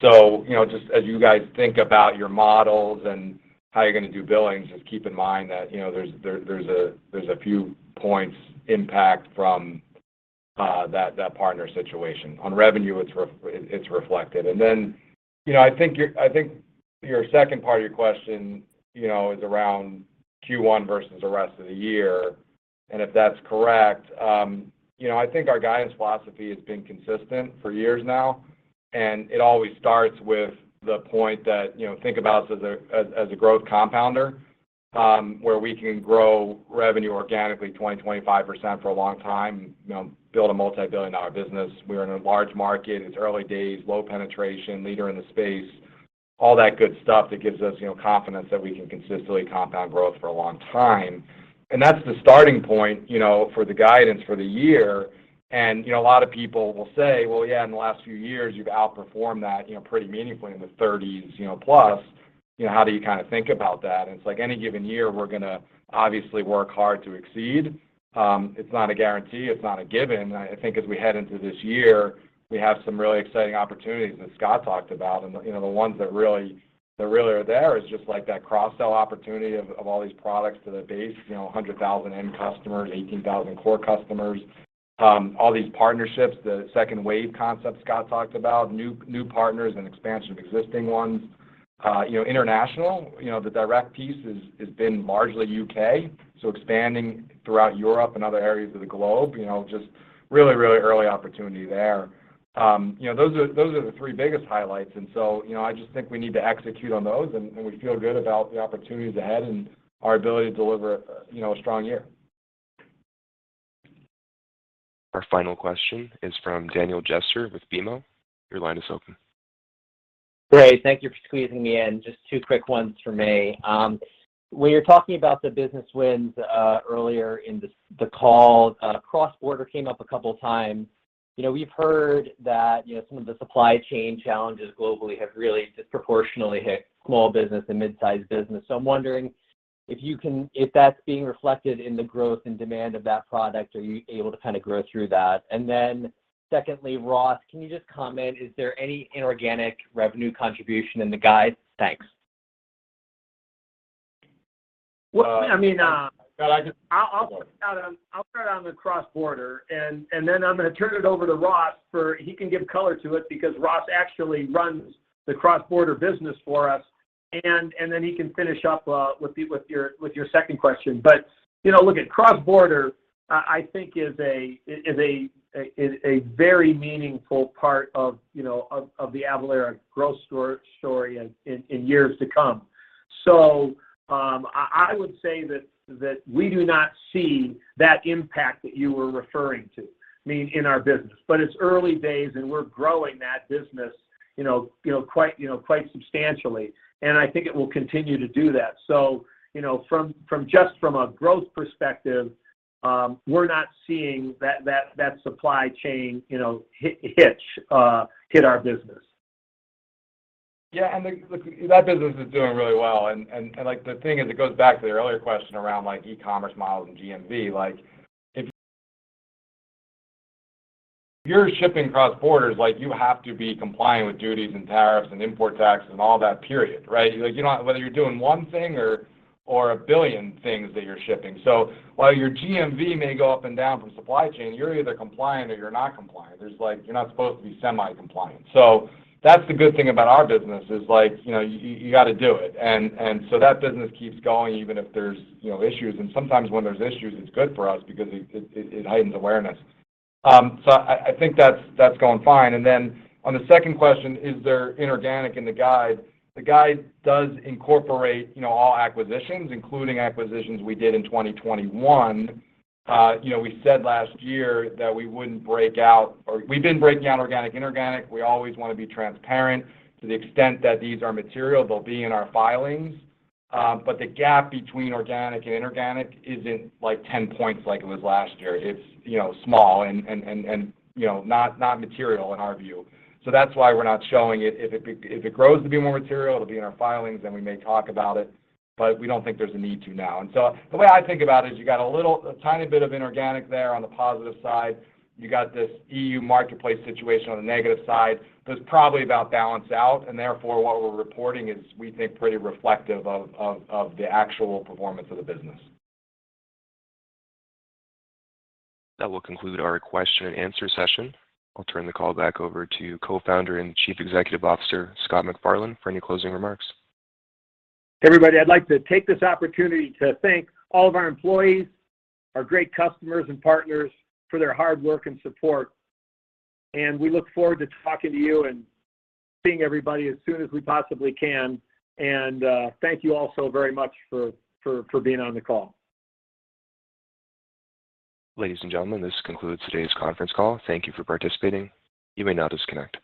You know, just as you guys think about your models and how you're gonna do billings, just keep in mind that you know, there's a few points impact from that partner situation. On revenue, it's reflected. Then, you know, I think your second part of your question you know is around Q1 versus the rest of the year. If that's correct, you know, I think our guidance philosophy has been consistent for years now, and it always starts with the point that, you know, think about us as a growth compounder, where we can grow revenue organically 20%-25% for a long time, you know, build a multi-billion-dollar business. We're in a large market, it's early days, low penetration, leader in the space, all that good stuff that gives us, you know, confidence that we can consistently compound growth for a long time. That's the starting point, you know, for the guidance for the year. You know, a lot of people will say, "Well, yeah, in the last few years you've outperformed that, you know, pretty meaningfully in the 30s%, you know, plus. You know, how do you kinda think about that?" It's like, any given year, we're gonna obviously work hard to exceed. It's not a guarantee, it's not a given. I think as we head into this year, we have some really exciting opportunities that Scott talked about. You know, the ones that really are there is just like that cross-sell opportunity of all these products to the base. You know, 100,000 end customers, 18,000 core customers. All these partnerships, the second wave concept Scott talked about, new partners and expansion of existing ones. You know, international, you know, the direct piece has been largely U.K., so expanding throughout Europe and other areas of the globe, you know, just really early opportunity there. You know, those are the three biggest highlights. you know, I just think we need to execute on those, and we feel good about the opportunities ahead and our ability to deliver, you know, a strong year. Our final question is from Daniel Jester with BMO Capital Markets. Your line is open. Great. Thank you for squeezing me in. Just two quick ones from me. When you're talking about the business wins earlier in this call, cross-border came up a couple times. You know, we've heard that, you know, some of the supply chain challenges globally have really disproportionately hit small business and mid-sized business. I'm wondering if that's being reflected in the growth and demand of that product. Are you able to kinda grow through that? Secondly, Ross, can you just comment, is there any inorganic revenue contribution in the guide? Thanks. Well, I mean, Scott, I just- I'll start out on the cross-border and then I'm gonna turn it over to Ross for... He can give color to it because Ross actually runs the cross-border business for us, and then he can finish up with your second question. You know, look, at cross-border, I think it is a very meaningful part of, you know, of the Avalara growth story in years to come. I would say that we do not see that impact that you were referring to, I mean, in our business. It's early days, and we're growing that business, you know, quite substantially. I think it will continue to do that. You know, just from a growth perspective, we're not seeing that supply chain, you know, hitch hit our business. Yeah. Look, that business is doing really well. Like the thing is, it goes back to the earlier question around like e-commerce models and GMV. Like, if you're shipping cross borders, like you have to be compliant with duties and tariffs and import taxes and all that, period, right? Like, you know, whether you're doing one thing or a billion things that you're shipping. While your GMV may go up and down from supply chain, you're either compliant or you're not compliant. You're not supposed to be semi-compliant. That's the good thing about our business is like, you know, you gotta do it. That business keeps going even if there's, you know, issues. Sometimes when there's issues, it's good for us because it heightens awareness. I think that's going fine. On the second question, is there inorganic in the guide? The guide does incorporate, you know, all acquisitions, including acquisitions we did in 2021. You know, we said last year that we wouldn't break out. Or we've been breaking out organic, inorganic. We always wanna be transparent to the extent that these are material, they'll be in our filings. The gap between organic and inorganic isn't like 10 points like it was last year. It's, you know, small and, you know, not material in our view. That's why we're not showing it. If it grows to be more material, it'll be in our filings, then we may talk about it, but we don't think there's a need to now. The way I think about it is you got a little, a tiny bit of inorganic there on the positive side. You got this EU marketplace situation on the negative side that's probably about balanced out and therefore what we're reporting is we think pretty reflective of the actual performance of the business. That will conclude our question and answer session. I'll turn the call back over to Co-founder and Chief Executive Officer, Scott McFarlane, for any closing remarks. Everybody, I'd like to take this opportunity to thank all of our employees, our great customers and partners for their hard work and support, and we look forward to talking to you and seeing everybody as soon as we possibly can. Thank you also very much for being on the call. Ladies and gentlemen, this concludes today's conference call. Thank you for participating. You may now disconnect.